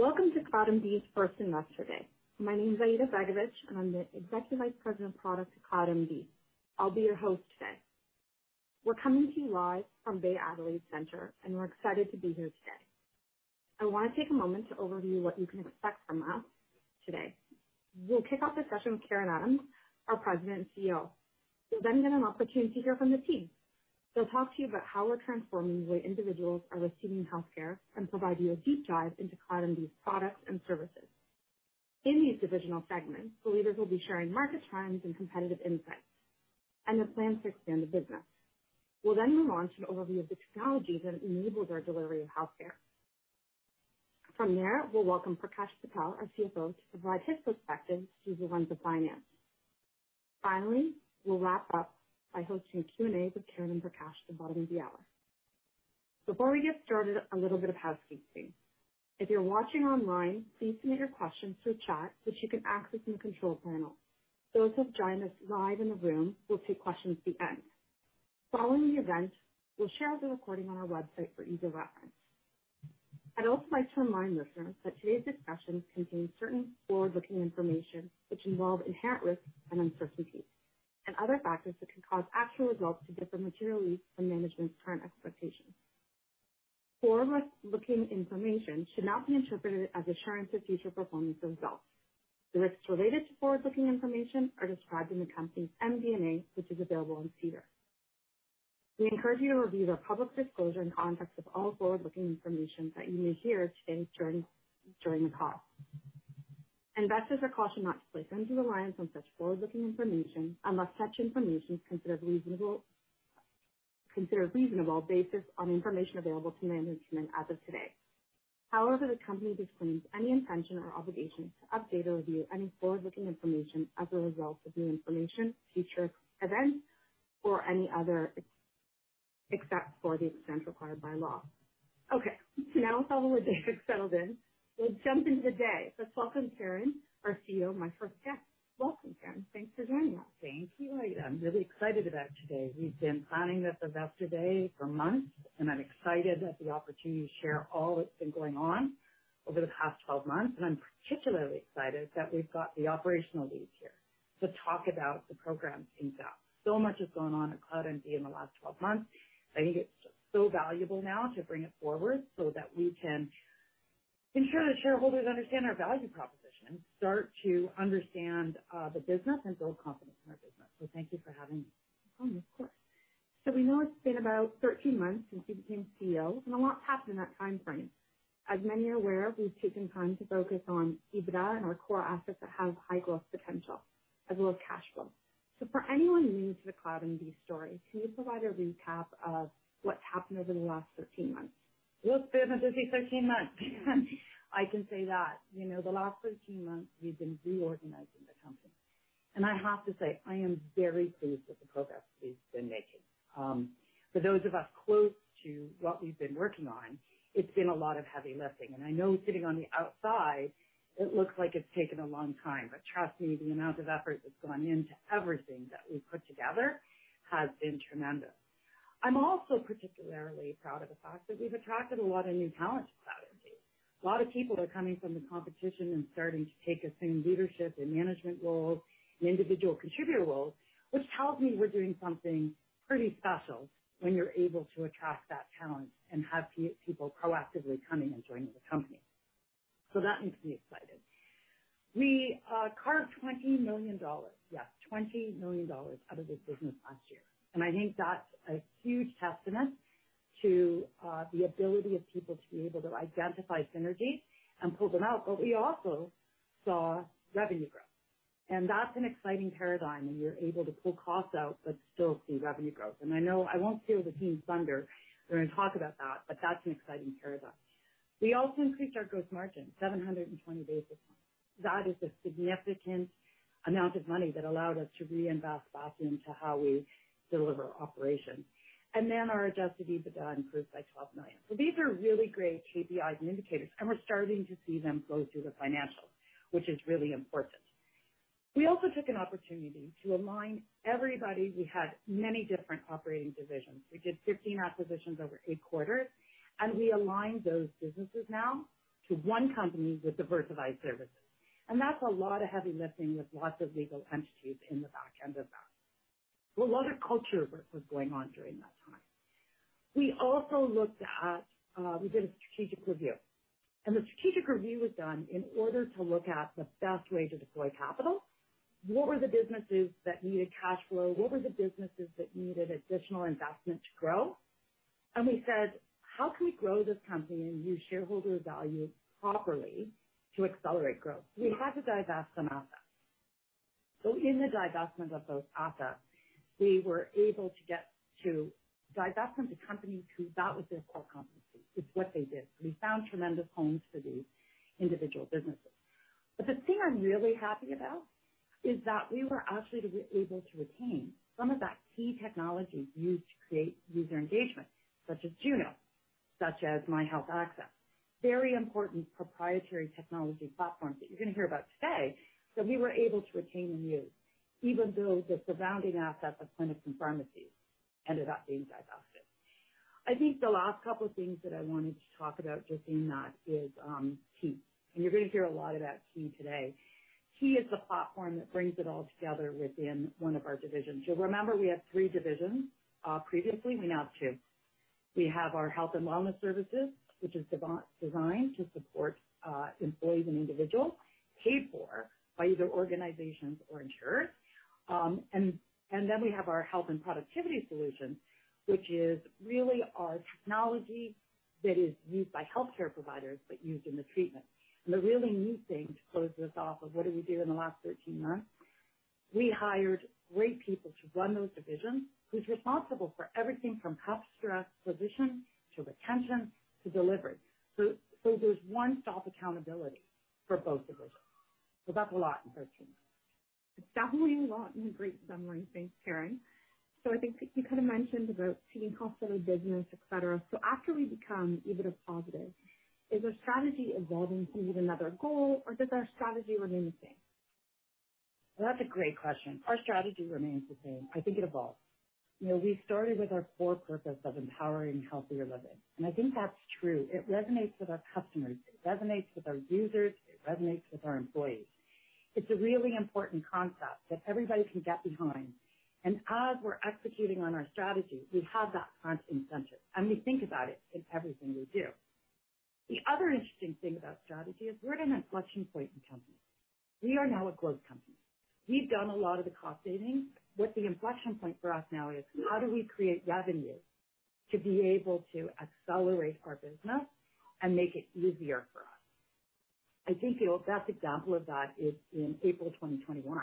Welcome to CloudMD's first Investor Day. My name is Aida Begovic, and I'm the Executive Vice President of Product at CloudMD. I'll be your host today. We're coming to you live from Bay Adelaide Centre, and we're excited to be here today. I wanna take a moment to overview what you can expect from us today. We'll kick off the session with Karen Adams, our President and CEO. You'll then get an opportunity to hear from the team. They'll talk to you about how we're transforming the way individuals are receiving healthcare and provide you a deep dive into CloudMD's products and services. In these divisional segments, the leaders will be sharing market trends and competitive insights and the plans to expand the business. We'll then move on to an overview of the technologies that enable their delivery of healthcare. From there, we'll welcome Prakash Patel, our CFO, to provide his perspective to the lines of finance. Finally, we'll wrap up by hosting a Q&A with Karen and Prakash to bottom the hour. Before we get started, a little bit of housekeeping. If you're watching online, please submit your questions through chat, which you can access in the control panel. Those who have joined us live in the room, we'll take questions at the end. Following the event, we'll share the recording on our website for ease of reference. I'd also like to remind listeners that today's discussion contains certain forward-looking information, which involve inherent risks and uncertainties, and other factors that can cause actual results to differ materially from management's current expectations. Forward-looking information should not be interpreted as assurance of future performance or results. The risks related to forward-looking information are described in the company's MD&A, which is available on SEDAR. We encourage you to review the public disclosure in context of all forward-looking information that you may hear today during the call. Investors are cautioned not to place undue reliance on such forward-looking information, unless such information is considered reasonable based on the information available to management as of today. However, the company disclaims any intention or obligation to update or review any forward-looking information as a result of new information, future events, or any other, except for the exceptions required by law. Okay, so now with all of that settled in, let's jump into the day. Let's welcome Karen, our CEO, my first guest. Welcome, Karen. Thanks for joining us. Thank you, Aida. I'm really excited about today. We've been planning this Investor Day for months, and I'm excited at the opportunity to share all that's been going on over the past 12 months, and I'm particularly excited that we've got the operational leads here to talk about the programs in depth. So much has gone on at CloudMD in the last 12 months. I think it's so valuable now to bring it forward so that we can ensure that shareholders understand our value proposition, start to understand the business, and build confidence in our business. So thank you for having me. Oh, of course. So we know it's been about 13 months since you became CEO, and a lot's happened in that time frame. As many are aware, we've taken time to focus on EBITDA and our core assets that have high growth potential as well as cash flow. So for anyone new to the CloudMD story, can you provide a recap of what's happened over the last 13 months? Well, it's been a busy 13 months. I can say that. You know, the last 13 months, we've been reorganizing the company, and I have to say, I am very pleased with the progress we've been making. For those of us close to what we've been working on, it's been a lot of heavy lifting, and I know sitting on the outside, it looks like it's taken a long time, but trust me, the amount of effort that's gone into everything that we've put together has been tremendous. I'm also particularly proud of the fact that we've attracted a lot of new talent to CloudMD. A lot of people are coming from the competition and starting to take us in leadership and management roles and individual contributor roles, which tells me we're doing something pretty special when you're able to attract that talent and have people proactively coming and joining the company. So that makes me excited. We carved 20 million dollars, yeah, 20 million out of this business last year, and I think that's a huge testament to the ability of people to be able to identify synergies and pull them out. But we also saw revenue growth, and that's an exciting paradigm, and you're able to pull costs out but still see revenue growth. And I know I won't steal the team's thunder. We're going to talk about that, but that's an exciting paradigm. We also increased our gross margin 720 basis points. That is a significant amount of money that allowed us to reinvest back into how we deliver operations. Then our Adjusted EBITDA improved by 12 million. These are really great KPIs and indicators, and we're starting to see them flow through the financials, which is really important. We also took an opportunity to align everybody. We had many different operating divisions. We did 15 acquisitions over eight quarters, and we aligned those businesses now to one company with diversified services. That's a lot of heavy lifting with lots of legal entities in the back end of that. Well, a lot of culture work was going on during that time. We also looked at... We did a strategic review, and the strategic review was done in order to look at the best way to deploy capital. What were the businesses that needed cash flow? What were the businesses that needed additional investment to grow? We said: How can we grow this company and use shareholder value properly to accelerate growth? We had to divest some assets. In the divestment of those assets, we were able to divest them to companies for whom that was their core competency. It's what they did. We found tremendous homes for these individual businesses. The thing I'm really happy about is that we were actually able to retain some of that key technology used to create user engagement, such as Juno, such as MyHealthAccess, very important proprietary technology platforms that you're going to hear about today, that we were able to retain and use, even though the surrounding assets of clinics and pharmacies ended up being divested. I think the last couple of things that I wanted to talk about just in that is, Kii, and you're gonna hear a lot about Kii today. Kii is the platform that brings it all together within one of our divisions. You'll remember we had three divisions, previously. We now have two. We have our health and wellness services, which is designed to support, employees and individuals, paid for by either organizations or insurers. And then we have our health and productivity solution, which is really our technology that is used by healthcare providers, but used in the treatment. And the really neat thing, to close this off, of what did we do in the last 13 months, we hired great people to run those divisions, who's responsible for everything from cost structure to position to retention to delivery. So there's one-stop accountability for both divisions. So that's a lot in 13 months. It's definitely a lot and a great summary. Thanks, Karen. So I think you kind of mentioned about seeing cost of the business, et cetera. So after we become EBITDA positive, is our strategy evolving to meet another goal, or does our strategy remain the same? Well, that's a great question. Our strategy remains the same. I think it evolves. You know, we started with our core purpose of empowering healthier living, and I think that's true. It resonates with our customers, it resonates with our users, it resonates with our employees. It's a really important concept that everybody can get behind, and as we're executing on our strategy, we have that front and center, and we think about it in everything we do. The other interesting thing about strategy is we're at an inflection point in the company. We are now a growth company. We've done a lot of the cost savings. What the inflection point for us now is, how do we create revenue to be able to accelerate our business and make it easier for us? I think the best example of that is in April 2021,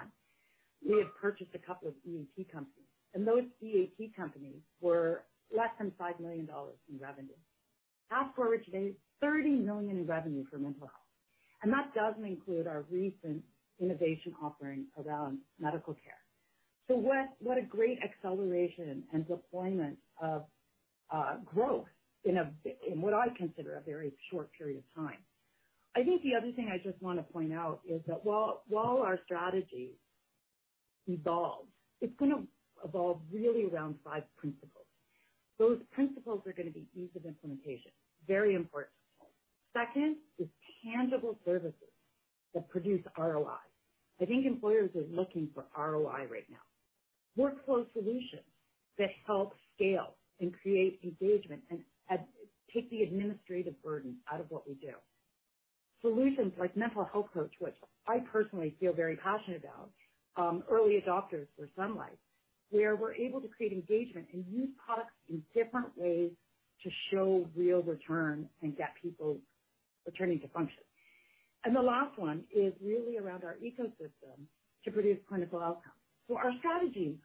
we had purchased a couple of EAP companies, and those EAP companies were less than 5 million dollars in revenue. Fast forward today, 30 million in revenue for mental health, and that doesn't include our recent innovation offering around medical care. What a great acceleration and deployment of growth in what I consider a very short period of time. I think the other thing I just want to point out is that while our strategy evolves, it's gonna evolve really around five principles. Those principles are gonna be ease of implementation, very important. Second is tangible services that produce ROI. I think employers are looking for ROI right now. Workflow solutions that help scale and create engagement and take the administrative burden out of what we do. Solutions like Mental Health Coach, which I personally feel very passionate about, early adopters for Sun Life, where we're able to create engagement and use products in different ways to show real return and get people returning to function. And the last one is really around our ecosystem to produce clinical outcomes. So our strategy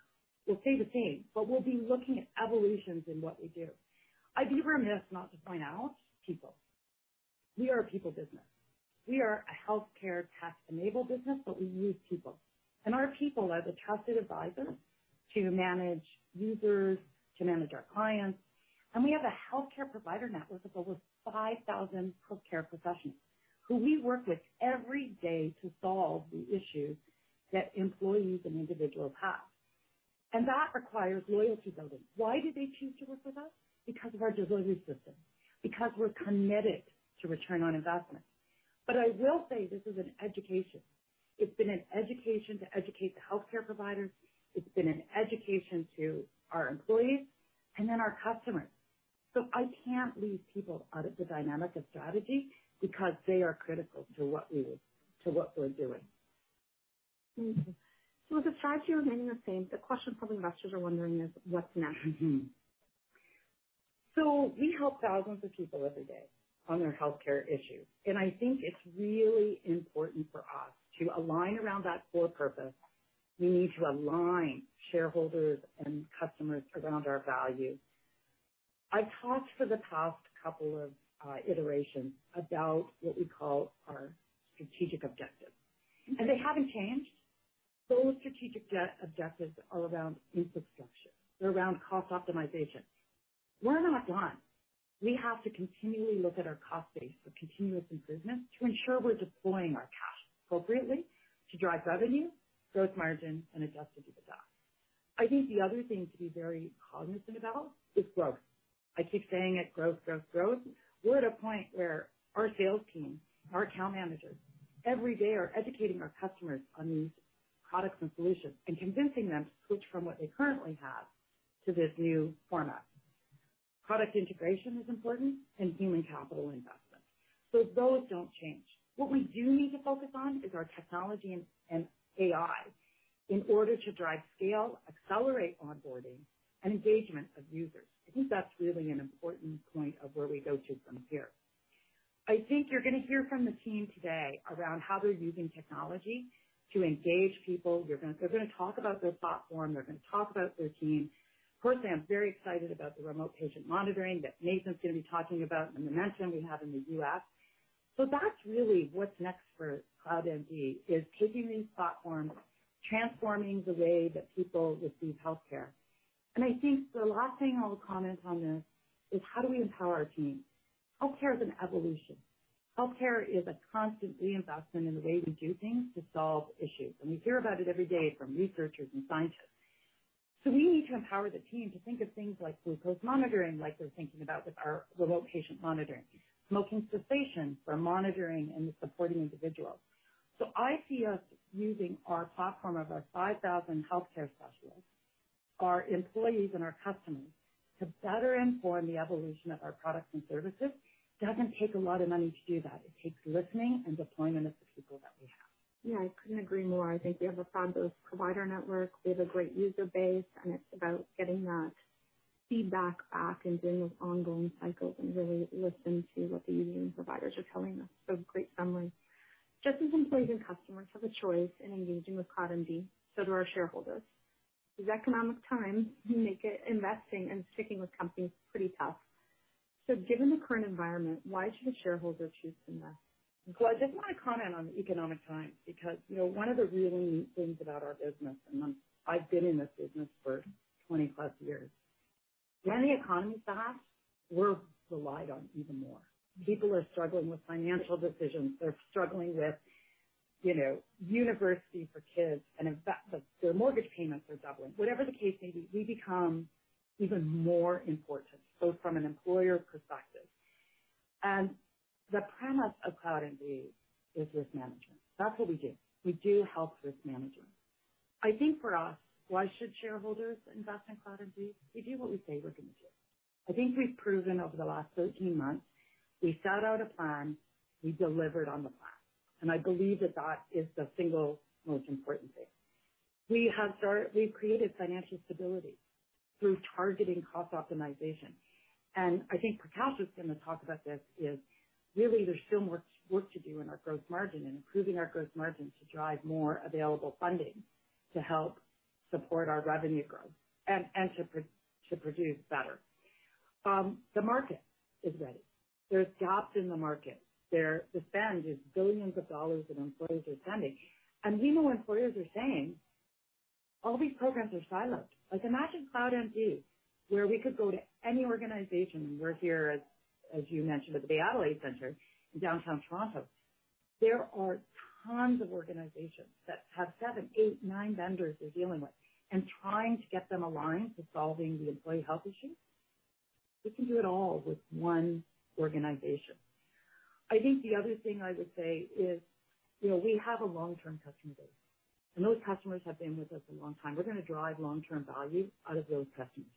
will stay the same, but we'll be looking at evolutions in what we do. I'd be remiss not to point out people. We are a people business. We are a healthcare tech-enabled business, but we use people, and our people are the trusted advisors to manage users, to manage our clients, and we have a healthcare provider network of over 5,000 healthcare professionals who we work with every day to solve the issues that employees and individuals have. And that requires loyalty building. Why do they choose to work with us? Because of our delivery system, because we're committed to return on investment. But I will say this is an education. It's been an education to educate the healthcare providers, it's been an education to our employees, and then our customers. So I can't leave people out of the dynamic of strategy because they are critical to what we're doing. Mm-hmm. So with the strategy remaining the same, the question probably investors are wondering is what's next? Mm-hmm. So we help thousands of people every day on their healthcare issues, and I think it's really important for us to align around that core purpose. We need to align shareholders and customers around our value. I've talked for the past couple of iterations about what we call our strategic objectives, and they haven't changed. Those strategic objectives are around infrastructure. They're around cost optimization. We're not done. We have to continually look at our cost base for continuous improvement to ensure we're deploying our cash appropriately to drive revenue, growth margin, and Adjusted EBITDA. I think the other thing to be very cognizant about is growth. I keep saying it, growth, growth, growth. We're at a point where our sales team, our account managers, every day are educating our customers on these products and solutions and convincing them to switch from what they currently have to this new format. Product integration is important and human capital investment, so those don't change. What we do need to focus on is our technology and AI in order to drive scale, accelerate onboarding, and engagement of users. I think that's really an important point of where we go to from here. I think you're gonna hear from the team today around how they're using technology to engage people. You're gonna. They're gonna talk about their platform. They're gonna talk about their team. Personally, I'm very excited about the remote patient monitoring that Nathan's gonna be talking about and the momentum we have in the U.S. So that's really what's next for CloudMD, is taking these platforms, transforming the way that people receive healthcare. And I think the last thing I'll comment on this is: How do we empower our team? Healthcare is an evolution.... Healthcare is a constantly investment in the way we do things to solve issues, and we hear about it every day from researchers and scientists. So we need to empower the team to think of things like glucose monitoring, like we're thinking about with our remote patient monitoring. Smoking cessation for monitoring and supporting individuals. So I see us using our platform of our 5,000 healthcare specialists, our employees, and our customers to better inform the evolution of our products and services. Doesn't take a lot of money to do that. It takes listening and deployment of the people that we have. Yeah, I couldn't agree more. I think we have a fabulous provider network. We have a great user base, and it's about getting that feedback back and doing those ongoing cycles and really listening to what the end users and providers are telling us. Great summary. Just as employees and customers have a choice in engaging with CloudMD, so do our shareholders. These economic times make it—investing and sticking with companies pretty tough. Given the current environment, why should a shareholder choose to invest? Well, I just want to comment on the economic times, because, you know, one of the really neat things about our business, and I've been in this business for 20+ years, when the economy's tough, we're relied on even more. People are struggling with financial decisions. They're struggling with, you know, university for kids, and in fact, their mortgage payments are doubling. Whatever the case may be, we become even more important, both from an employer perspective. The premise of CloudMD is risk management. That's what we do. We do help risk management. I think for us, why should shareholders invest in CloudMD? We do what we say we're gonna do. I think we've proven over the last 13 months, we set out a plan, we delivered on the plan, and I believe that that is the single most important thing. We've created financial stability through targeting cost optimization. I think Prakash is gonna talk about this, is really there's still more work to do in our growth margin and improving our growth margin to drive more available funding to help support our revenue growth and to produce better. The market is ready. There's jobs in the market. The spend is billions of dollars that employers are spending. We know employers are saying all these programs are siloed. Like, imagine CloudMD, where we could go to any organization, and we're here, as you mentioned, at the Bay Adelaide Centre in downtown Toronto. There are tons of organizations that have seven, eight, nine vendors they're dealing with and trying to get them aligned to solving the employee health issue. We can do it all with one organization. I think the other thing I would say is, you know, we have a long-term customer base, and those customers have been with us a long time. We're going to drive long-term value out of those customers.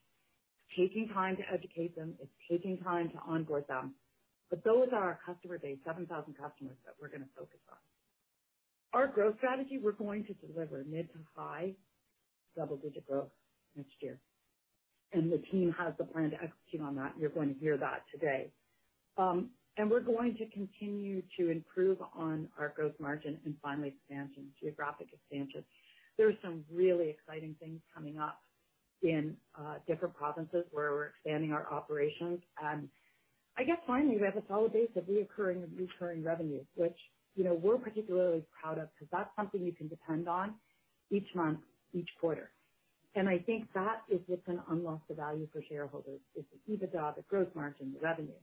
It's taking time to educate them, it's taking time to onboard them, but those are our customer base, 7,000 customers, that we're going to focus on. Our growth strategy, we're going to deliver mid- to high double-digit growth next year, and the team has the plan to execute on that, and you're going to hear that today. And we're going to continue to improve on our growth margin and finally expansion, geographic expansion. There are some really exciting things coming up in different provinces where we're expanding our operations. And I guess finally, we have a solid base of reoccurring, recurring revenues, which, you know, we're particularly proud of, because that's something you can depend on each month, each quarter. And I think that is what's going to unlock the value for shareholders, is the EBITDA, the growth margin, the revenue.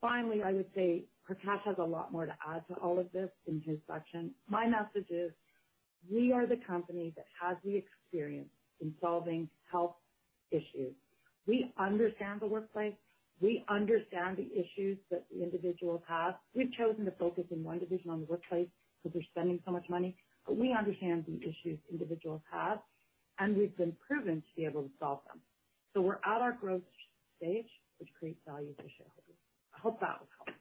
Finally, I would say Prakash has a lot more to add to all of this in his section. My message is: we are the company that has the experience in solving health issues. We understand the workplace. We understand the issues that the individuals have. We've chosen to focus in one division on the workplace because we're spending so much money, but we understand the issues individuals have, and we've been proven to be able to solve them. So we're at our growth stage, which creates value for shareholders. I hope that was helpful.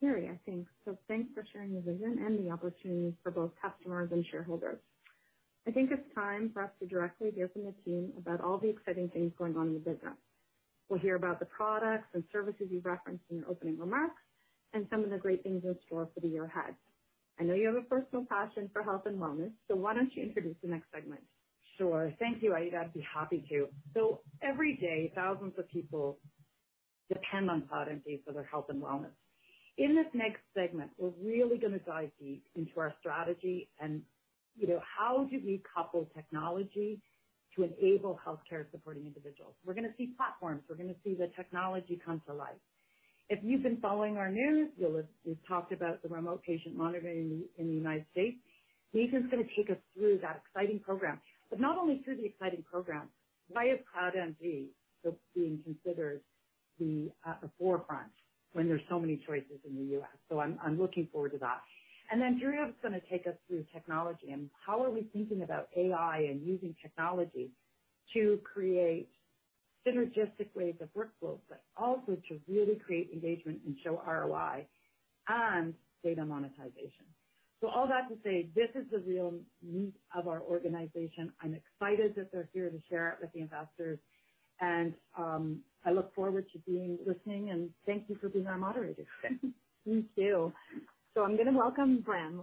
Very, I think. Thanks for sharing the vision and the opportunity for both customers and shareholders. I think it's time for us to directly hear from the team about all the exciting things going on in the business. We'll hear about the products and services you referenced in your opening remarks and some of the great things in store for the year ahead. I know you have a personal passion for health and wellness, so why don't you introduce the next segment? Sure. Thank you, Aida. I'd be happy to. So every day, 1,000s of people depend on CloudMD for their health and wellness. In this next segment, we're really going to dive deep into our strategy and, you know, how do we couple technology to enable healthcare-supporting individuals? We're going to see platforms. We're going to see the technology come to life. If you've been following our news, you'll have... We've talked about the remote patient monitoring in the United States. Nathan's going to take us through that exciting program, but not only through the exciting program, why is CloudMD so being considered the, at the forefront when there's so many choices in the U.S.? So I'm, I'm looking forward to that. And then Julia's going to take us through technology and how are we thinking about AI and using technology to create synergistic waves of workflows, but also to really create engagement and show ROI and data monetization. So all that to say, this is the real meat of our organization. I'm excited that they're here to share it with the investors, and, I look forward to being listening, and thank you for being our moderator today. Me too. So I'm going to welcome Bram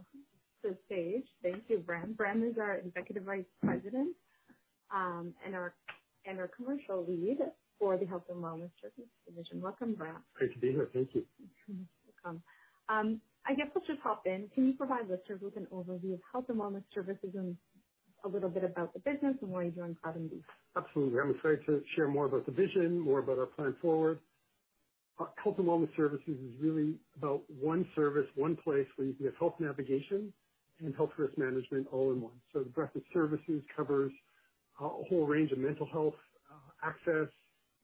to the stage. Thank you, Bram. Bram is our Executive Vice President and our Commercial Lead for the Health and Wellness Services division. Welcome, Bram. Great to be here. Thank you. Welcome. I guess let's just hop in. Can you provide listeners with an overview of health and wellness services and a little bit about the business and where you join CloudMD? Absolutely. I'm excited to share more about the vision, more about our plan forward. Our health and wellness services is really about one service, one place where you can get health navigation and health risk management all in one. The breadth of services covers a whole range of mental health, access,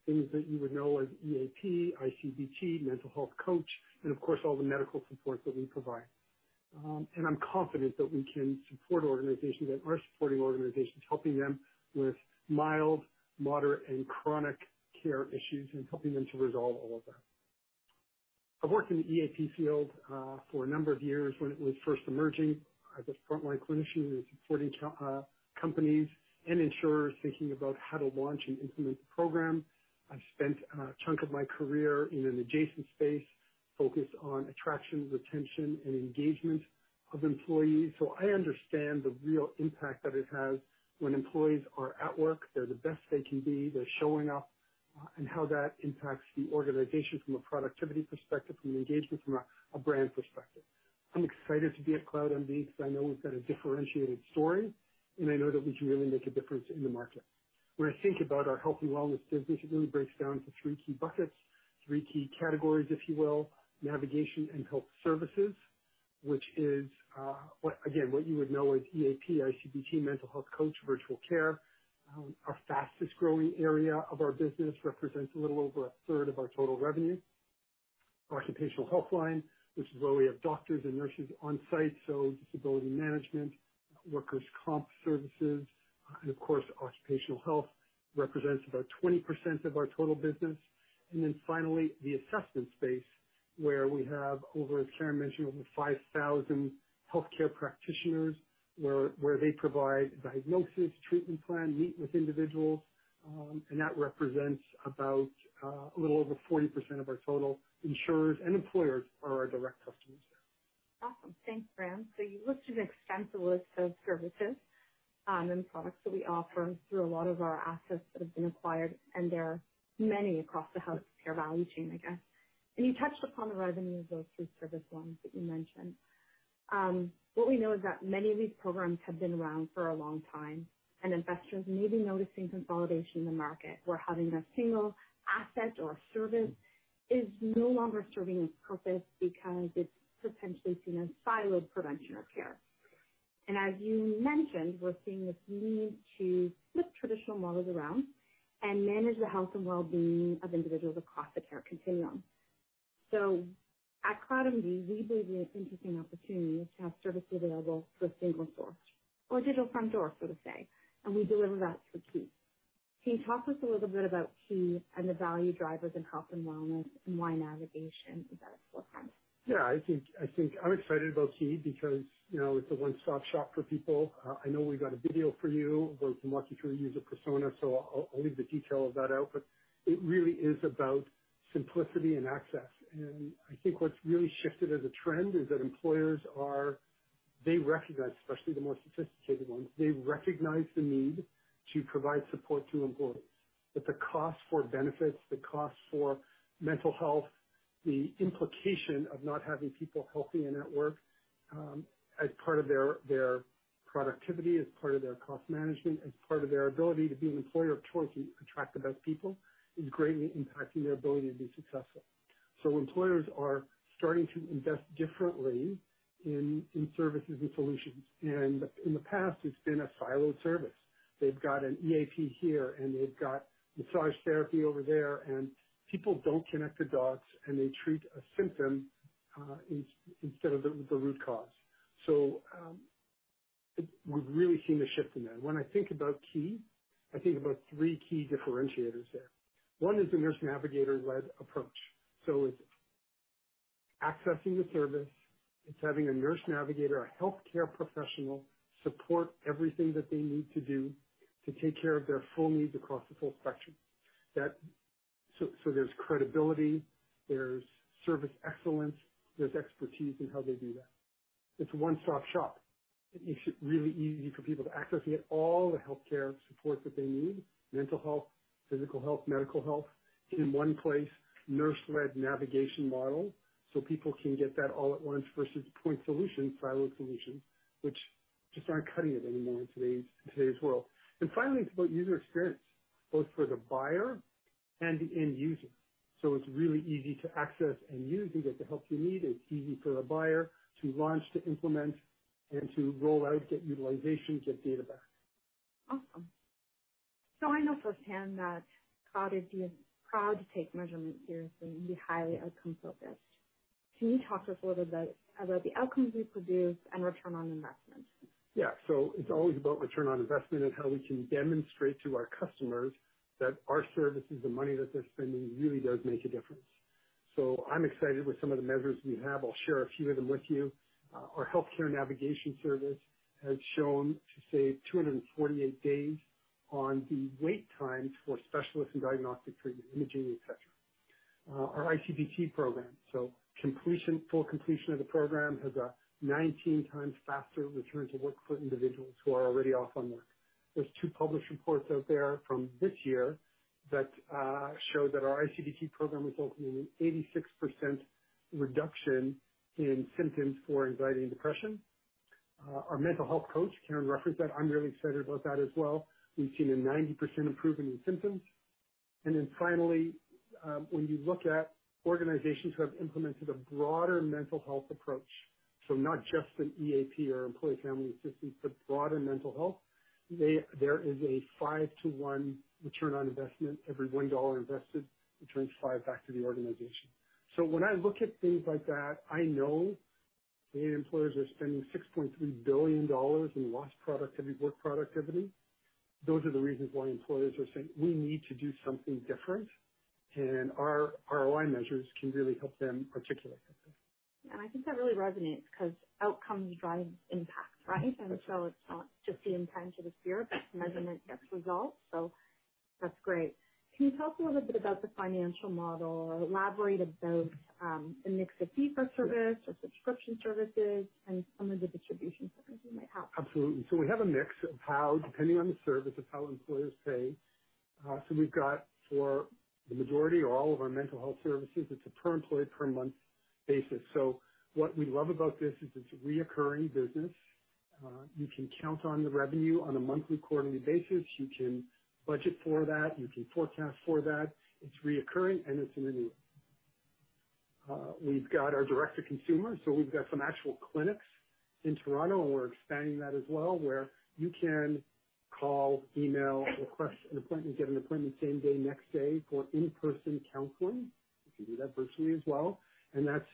things that you would know as EAP, iCBT, Mental Health Coach, and of course, all the medical supports that we provide. I'm confident that we can support organizations that are supporting organizations, helping them with mild, moderate, and chronic care issues, and helping them to resolve all of that. I've worked in the EAP field for a number of years when it was first emerging as a frontline clinician and supporting companies and insurers thinking about how to launch and implement the program. I've spent a chunk of my career in an adjacent space focused on attraction, retention, and engagement of employees. I understand the real impact that it has when employees are at work, they're the best they can be, they're showing up, and how that impacts the organization from a productivity perspective, from an engagement, from a brand perspective. I'm excited to be at CloudMD because I know we've got a differentiated story, and I know that we can really make a difference in the market. When I think about our health and wellness business, it really breaks down to three key buckets, three key categories, if you will. Navigation and health services, which is what... Again, what you would know as EAP, iCBT, Mental Health Coach, virtual care. Our fastest growing area of our business represents a little over a third of our total revenue. Occupational health line, which is where we have doctors and nurses on site, so disability management, workers' comp services, and of course, occupational health represents about 20% of our total business. And then finally, the assessment space, where we have over, as Karen mentioned, over 5,000 healthcare practitioners, where they provide diagnosis, treatment plan, meet with individuals, and that represents about a little over 40% of our total. Insurers and employers are our direct customers there. Awesome. Thanks, Bram. So you listed an extensive list of services, and products that we offer through a lot of our assets that have been acquired, and there are many across the healthcare value chain, I guess. And you touched upon the revenue of those three service lines that you mentioned. What we know is that many of these programs have been around for a long time, and investors may be noticing consolidation in the market, where having a single asset or service is no longer serving its purpose because it's potentially seen as siloed prevention or care. And as you mentioned, we're seeing this need to flip traditional models around and manage the health and well-being of individuals across the care continuum. At CloudMD, we believe it's an interesting opportunity to have services available through a single source or a digital front door, so to say, and we deliver that through Kii. Can you talk to us a little bit about Kii and the value drivers in health and wellness and why navigation is at a forefront? Yeah, I think, I think I'm excited about Kii because, you know, it's a one-stop shop for people. I know we've got a video for you. We're working through a user persona, so I'll, I'll leave the detail of that out, but it really is about simplicity and access. And I think what's really shifted as a trend is that employers are... They recognize, especially the more sophisticated ones, they recognize the need to provide support to employees. That the cost for benefits, the cost for mental health, the implication of not having people healthy and at work, as part of their, their productivity, as part of their cost management, as part of their ability to be an employer of choice and attract the best people, is greatly impacting their ability to be successful. So employers are starting to invest differently in services and solutions, and in the past, it's been a siloed service. They've got an EAP here, and they've got massage therapy over there, and people don't connect the dots, and they treat a symptom instead of the root cause. So we've really seen a shift in that. When I think about Kii, I think about three key differentiators there. One is the nurse navigator-led approach. So it's accessing the service, it's having a nurse navigator, a healthcare professional, support everything that they need to do to take care of their full needs across the full spectrum. That. So there's credibility, there's service excellence, there's expertise in how they do that. It's a one-stop shop. It's really easy for people to access it, all the healthcare support that they need, mental health, physical health, medical health, in one place. Nurse-led navigation model, so people can get that all at once versus point solution, siloed solution, which just aren't cutting it anymore in today's world. Finally, it's about user experience, both for the buyer and the end user. So it's really easy to access and use. You get the help you need. It's easy for the buyer to launch, to implement, and to roll out, get utilization, get data back. Awesome. So I know firsthand that Cloud takes measurement seriously and be highly outcome-focused. Can you talk to us a little bit about the outcomes we produce and return on investment? Yeah. It's always about return on investment and how we can demonstrate to our customers that our services, the money that they're spending, really does make a difference. I'm excited with some of the measures we have. I'll share a few of them with you. Our healthcare navigation service has shown to save 248 days on the wait times for specialists and diagnostic treatment, imaging, et cetera. Our iCBT program, so completion, full completion of the program, has a 19x faster return to work for individuals who are already off on work. There's two published reports out there from this year that show that our iCBT program resulted in an 86% reduction in symptoms for anxiety and depression. Our Mental Health Coach, Karen referenced that. I'm really excited about that as well. We've seen a 90% improvement in symptoms. Finally, when you look at organizations who have implemented a broader mental health approach, not just an EAP or employee family assistance, but broader mental health, there is a five to one return on investment. Every $1 invested returns $5 back to the organization. When I look at things like that, I know Canadian employers are spending 6.3 billion dollars in lost productivity, work productivity. Those are the reasons why employers are saying, "We need to do something different," and our ROI measures can really help them articulate that. I think that really resonates, 'cause outcomes drive impact, right? And so it's not just the intention of the spirit, but measurement gets results, so that's great. Can you talk a little bit about the financial model or elaborate about the mix of fee for service or subscription services and some of the distribution partners you might have? Absolutely. So we have a mix of how, depending on the service, of how employers pay. So we've got for the majority or all of our mental health services, it's a per employee, per month basis. So what we love about this is it's a recurring business. You can count on the revenue on a monthly, quarterly basis. You can budget for that. You can forecast for that. It's recurring and it's renewable. We've got our direct to consumer, so we've got some actual clinics in Toronto, and we're expanding that as well, where you can call, email, request an appointment, get an appointment same day, next day for in-person counseling. You can do that virtually as well, and that's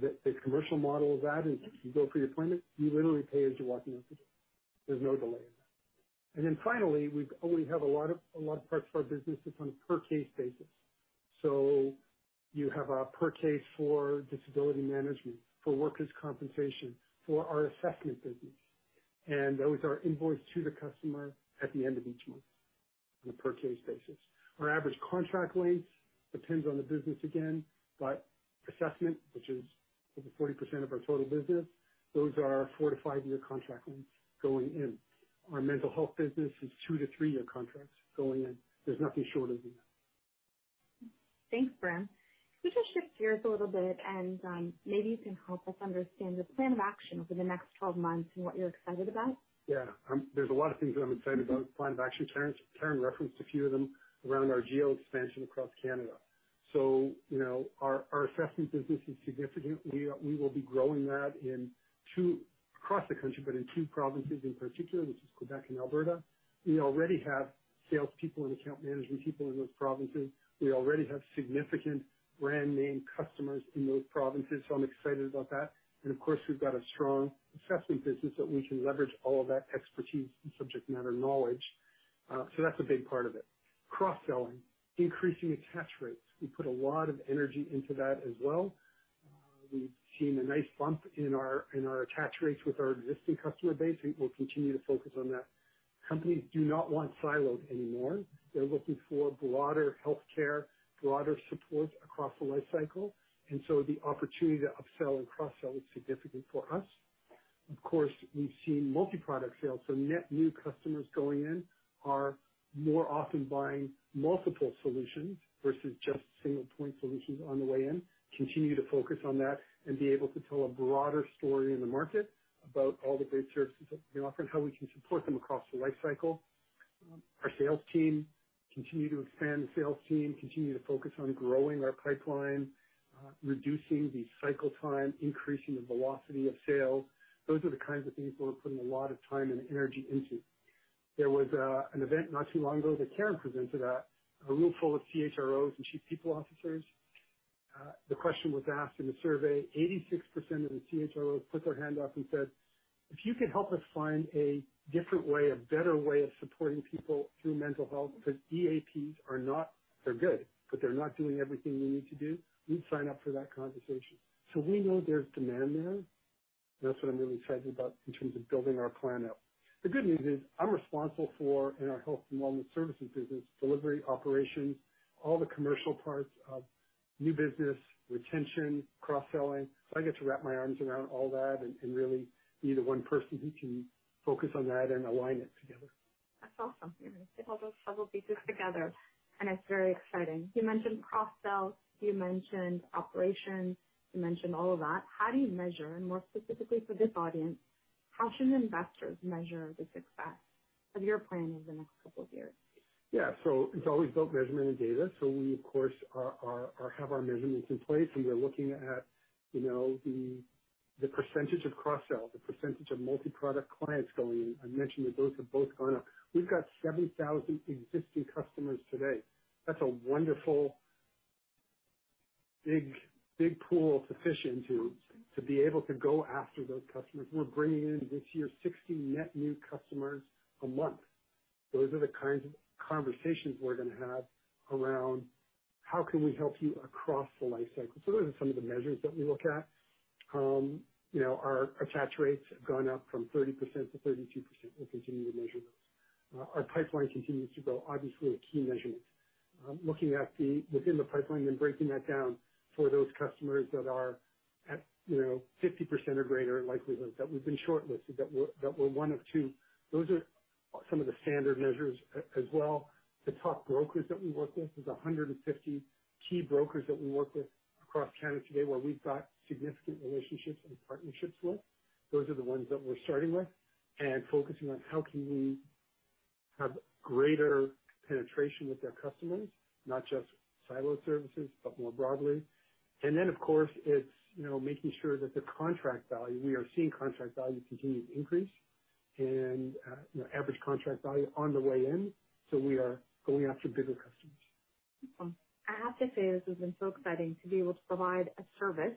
the commercial model of that is you go for your appointment, you literally pay as you're walking out the door. There's no delay in that. Then finally, we have a lot of parts of our business that's on a per case basis. So you have a per case for disability management, for workers' compensation, for our assessment business, and those are invoiced to the customer at the end of each month on a per case basis. Our average contract length depends on the business again, but assessment, which is over 40% of our total business, those are four- to five-year contract lengths going in. Our mental health business is two- to three-year contracts going in. There's nothing shorter than that. Thanks, Bram. Can we just shift gears a little bit and, maybe you can help us understand the plan of action over the next 12 months and what you're excited about? Yeah. There's a lot of things that I'm excited about. Plan of action, Karen. Karen referenced a few of them around our geo expansion across Canada. So, you know, our assessment business is significant. We will be growing that in two... across the country, but in two provinces in particular, which is Quebec and Alberta. We already have salespeople and account management people in those provinces. We already have significant brand name customers in those provinces, so I'm excited about that. And of course, we've got a strong assessment business that we can leverage all of that expertise and subject matter knowledge. So that's a big part of it. Cross-selling, increasing attach rates. We put a lot of energy into that as well. We've seen a nice bump in our attach rates with our existing customer base. We will continue to focus on that. Companies do not want silos anymore. They're looking for broader healthcare, broader support across the life cycle, and so the opportunity to upsell and cross-sell is significant for us. Of course, we've seen multi-product sales, so net new customers going in are more often buying multiple solutions versus just single point solutions on the way in. Continue to focus on that and be able to tell a broader story in the market about all the great services that we offer and how we can support them across the life cycle. Our sales team, continue to expand the sales team, continue to focus on growing our pipeline, reducing the cycle time, increasing the velocity of sales. Those are the kinds of things we're putting a lot of time and energy into. There was an event not too long ago that Karen presented at, a room full of CHROs and chief people officers. The question was asked in the survey, 86% of the CHROs put their hand up and said, "If you could help us find a different way, a better way of supporting people through mental health, because EAPs are not... They're good, but they're not doing everything we need to do, we'd sign up for that conversation." So we know there's demand there. That's what I'm really excited about in terms of building our plan out. The good news is I'm responsible for, in our health and wellness services business, delivery, operations, all the commercial parts of new business, retention, cross-selling. So I get to wrap my arms around all that and, and really be the one person who can focus on that and align it together. That's awesome. You're going to get all those puzzle pieces together, and it's very exciting. You mentioned cross-sells, you mentioned operations, you mentioned all of that. How do you measure, and more specifically for this audience, how should investors measure the success of your plan over the next couple of years? Yeah. So it's always about measurement and data. So we, of course, have our measurements in place, and we are looking at, you know, the percentage of cross-sell, the percentage of multi-product clients going in. I mentioned that those have both gone up. We've got 70,000 existing customers today. That's a wonderful, big, big pool to fish into, to be able to go after those customers. We're bringing in, this year, 60 net new customers a month. Those are the kinds of conversations we're going to have around: How can we help you across the life cycle? So those are some of the measures that we look at. You know, our attach rates have gone up from 30% to 32%. We'll continue to measure those. Our pipeline continues to grow, obviously, a key measurement.... Looking at the within the pipeline and breaking that down for those customers that are at, you know, 50% or greater in likelihood, that we've been shortlisted, that we're, that we're one of two. Those are some of the standard measures. As well, the top brokers that we work with, there's 150 key brokers that we work with across Canada today, where we've got significant relationships and partnerships with. Those are the ones that we're starting with and focusing on how can we have greater penetration with their customers, not just siloed services, but more broadly. And then, of course, it's, you know, making sure that the contract value, we are seeing contract value continue to increase and, you know, average contract value on the way in, so we are going after bigger customers. I have to say, this has been so exciting to be able to provide a service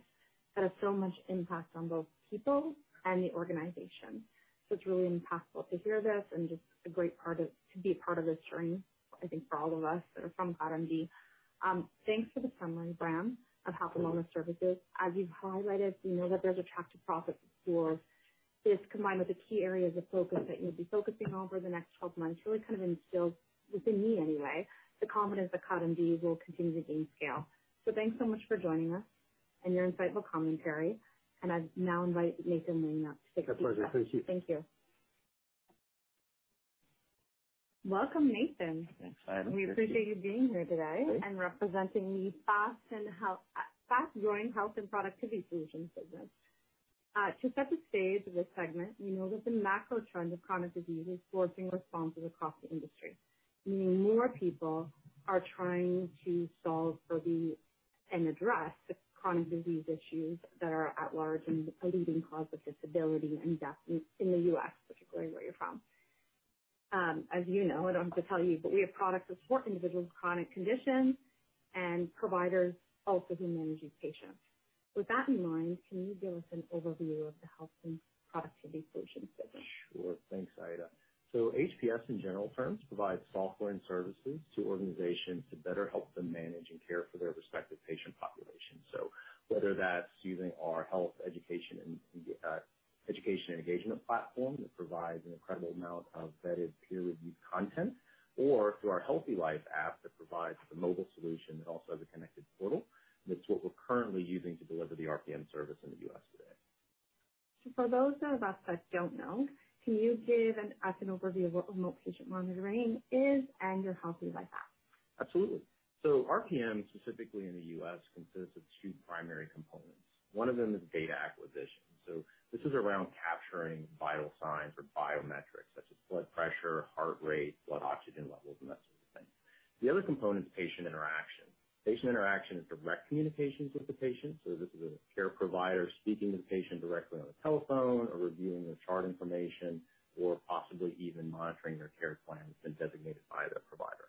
that has so much impact on both people and the organization. So it's really impactful to hear this and just a great part of to be a part of this journey, I think, for all of us that are from CloudMD. Thanks for the summary, Bram, of Health and Wellness Services. As you've highlighted, we know that there's attractive profit for this, combined with the key areas of focus that you'll be focusing on over the next 12 months, really kind of instills, within me anyway, the confidence that CloudMD will continue to gain scale. So thanks so much for joining us and your insightful commentary, and I now invite Nathan Lane up to take it from here. My pleasure. Thank you. Thank you. Welcome, Nathan. Thanks, Aida. We appreciate you being here today- Thanks. -and representing the fast and health, fast-growing health and productivity solutions business. To set the stage for this segment, we know that the macro trends of chronic disease is forcing responses across the industry, meaning more people are trying to solve for the, and address the chronic disease issues that are at large and a leading cause of disability and death in, in the U.S., particularly where you're from. As you know, I don't have to tell you, but we have products that support individuals with chronic conditions and providers also who manage these patients. With that in mind, can you give us an overview of the Health and Productivity Solutions business? Sure. Thanks, Aida. So HPS, in general terms, provides software and services to organizations to better help them manage and care for their respective patient populations. So whether that's using our health education and engagement platform, that provides an incredible amount of vetted, peer-reviewed content, or through our Healthy Life app, that provides the mobile solution that also has a connected portal. That's what we're currently using to deliver the RPM service in the U.S. today. For those of us that don't know, can you give us an overview of what remote patient monitoring is and your Healthy Life app? Absolutely. So RPM, specifically in the U.S., consists of two primary components. One of them is data acquisition. So this is around capturing vital signs or biometrics, such as blood pressure, heart rate, blood oxygen levels, and that sort of thing. The other component is patient interaction. Patient interaction is direct communications with the patient, so this is a care provider speaking to the patient directly on the telephone or reviewing their chart information, or possibly even monitoring their care plan that's been designated by their provider.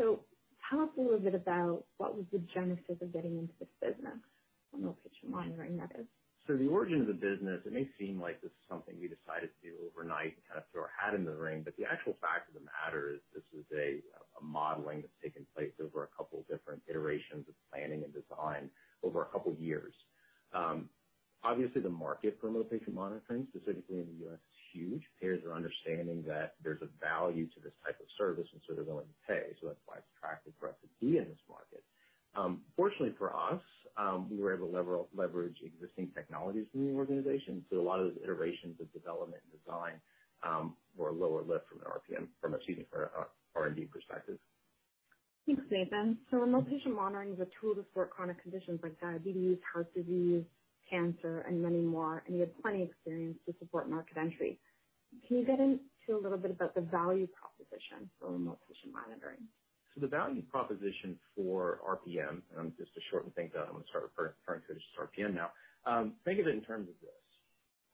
So tell us a little bit about what was the genesis of getting into this business, remote patient monitoring, that is? So the origin of the business, it may seem like this is something we decided to do overnight and kind of threw our hat in the ring, but the actual fact of the matter is, this is a modeling that's taken place over a couple different iterations of planning and design over a couple years. Obviously, the market for remote patient monitoring, specifically in the U.S., is huge. Payers are understanding that there's a value to this type of service, and so they're willing to pay, so that's why it's attractive for us to be in this market. Fortunately for us, we were able to leverage existing technologies in the organization, so a lot of those iterations of development and design were lower lift from an RPM -- excuse me, from an R&D perspective. Thanks, Nathan. So remote patient monitoring is a tool to support chronic conditions like diabetes, heart disease, cancer, and many more, and you have plenty of experience to support market entry. Can you get into a little bit about the value proposition for remote patient monitoring? So the value proposition for RPM, and just to shorten things down, I'm gonna start referring to it just RPM now. Think of it in terms of this: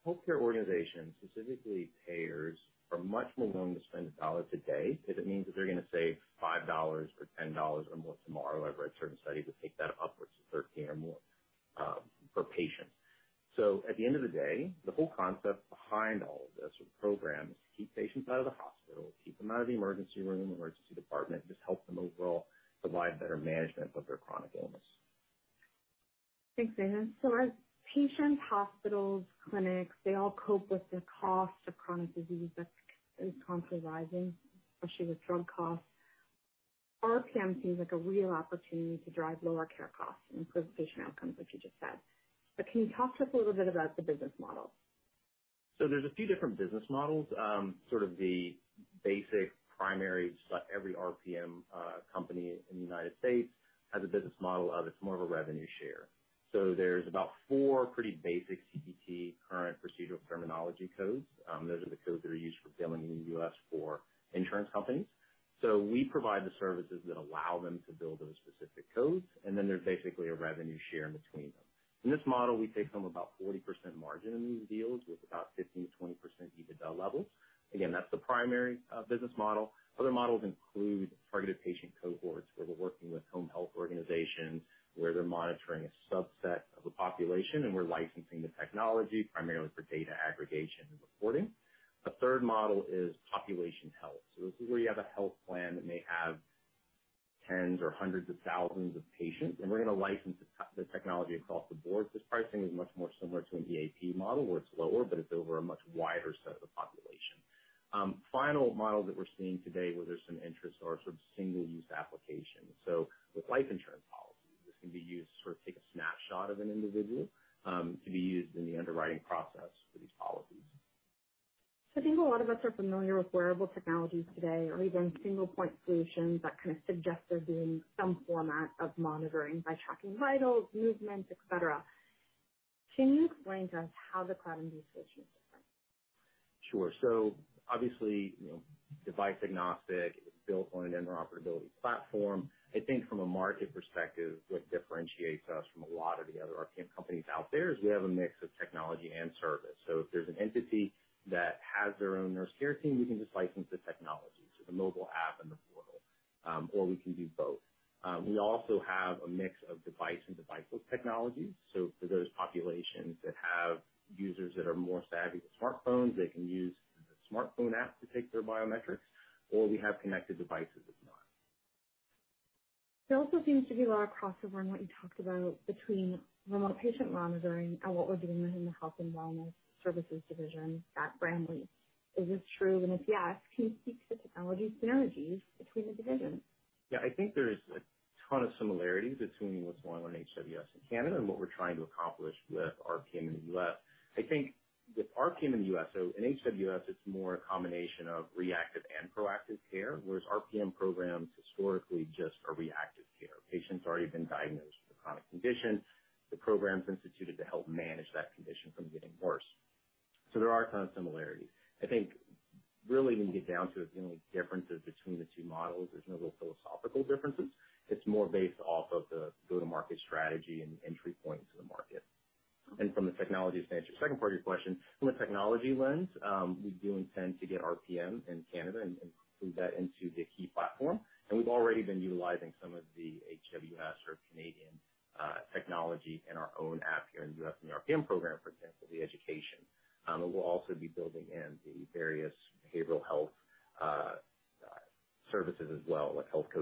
healthcare organizations, specifically payers, are much more willing to spend $1 today if it means that they're gonna save $5 or $10 or more tomorrow. I've read certain studies that take that upwards of 13 or more per patient. So at the end of the day, the whole concept behind all of this, or the program, is to keep patients out of the hospital, keep them out of the emergency room, emergency department, just help them overall provide better management of their chronic illness. Thanks, Nathan. So as patients, hospitals, clinics, they all cope with the cost of chronic disease that is constantly rising, especially with drug costs, RPM seems like a real opportunity to drive lower care costs and improve patient outcomes, which you just said. But can you talk to us a little bit about the business model? So there's a few different business models. Sort of the basic primary, just about every RPM company in the United States has a business model of, it's more of a revenue share. So there's about four pretty basic CPT, Current Procedural Terminology, codes. Those are the codes that are used for billing in the U.S. for insurance companies. So we provide the services that allow them to bill those specific codes, and then there's basically a revenue share in between them. In this model, we take home about 40% margin in these deals with about 15%-20% EBITDA levels. Again, that's the primary business model. Other models include targeted patient cohorts, where we're working with home health organizations, where they're monitoring a subset of the population, and we're licensing the technology primarily for data aggregation and reporting. A third model is population health. So this is where you have a health plan that may have tens or hundreds of thousands of patients, and we're going to license the technology across the board. This pricing is much more similar to an EAP model, where it's lower, but it's over a much wider set of the population. Final model that we're seeing today, where there's some interest, are sort of single-use applications. So with life insurance policies, this can be used to sort of take a snapshot of an individual, to be used in the underwriting process for these policies. So I think a lot of us are familiar with wearable technologies today, or even single point solutions that kind of suggest there being some format of monitoring by tracking vitals, movements, et cetera. Can you explain to us how the cloud solution is different? Sure. So obviously, you know, device agnostic, it's built on an interoperability platform. I think from a market perspective, what differentiates us from a lot of the other RPM companies out there is we have a mix of technology and service. So if there's an entity that has their own nurse care team, we can just license the technology, so the mobile app and the portal, or we can do both. We also have a mix of device and device-less technologies. So for those populations that have users that are more savvy with smartphones, they can use the smartphone app to take their biometrics, or we have connected devices, if not. There also seems to be a lot of crossover in what you talked about between remote patient monitoring and what we're doing within the health and wellness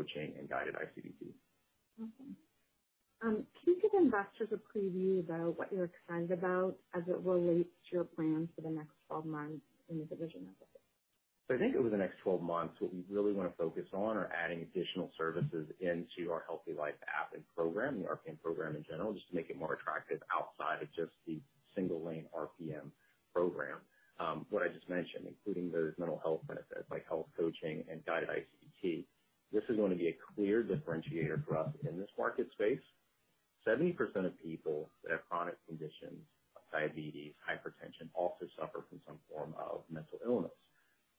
coaching and guided iCBT. Okay. Can you give investors a preview about what you're excited about as it relates to your plans for the next 12 months in the division office? So I think over the next 12 months, what we really want to focus on are adding additional services into our Healthy Life app and program, the RPM program in general, just to make it more attractive outside of just the single lane RPM program. What I just mentioned, including those mental health benefits like health coaching and guided iCBT. This is going to be a clear differentiator for us in this market space. 70% of people that have chronic conditions, like diabetes, hypertension, also suffer from some form of mental illness.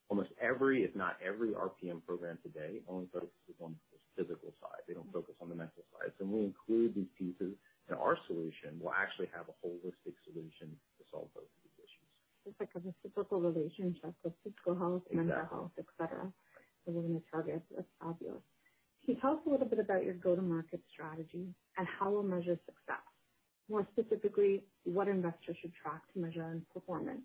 Almost every, if not every, RPM program today only focuses on the physical side. They don't focus on the mental side. So when we include these pieces in our solution, we'll actually have a holistic solution to solve both of these issues. It's like a reciprocal relationship with physical health- Exactly. mental health, et cetera. Within the target. That's fabulous. Can you tell us a little bit about your go-to-market strategy and how we'll measure success? More specifically, what investors should track to measure performance.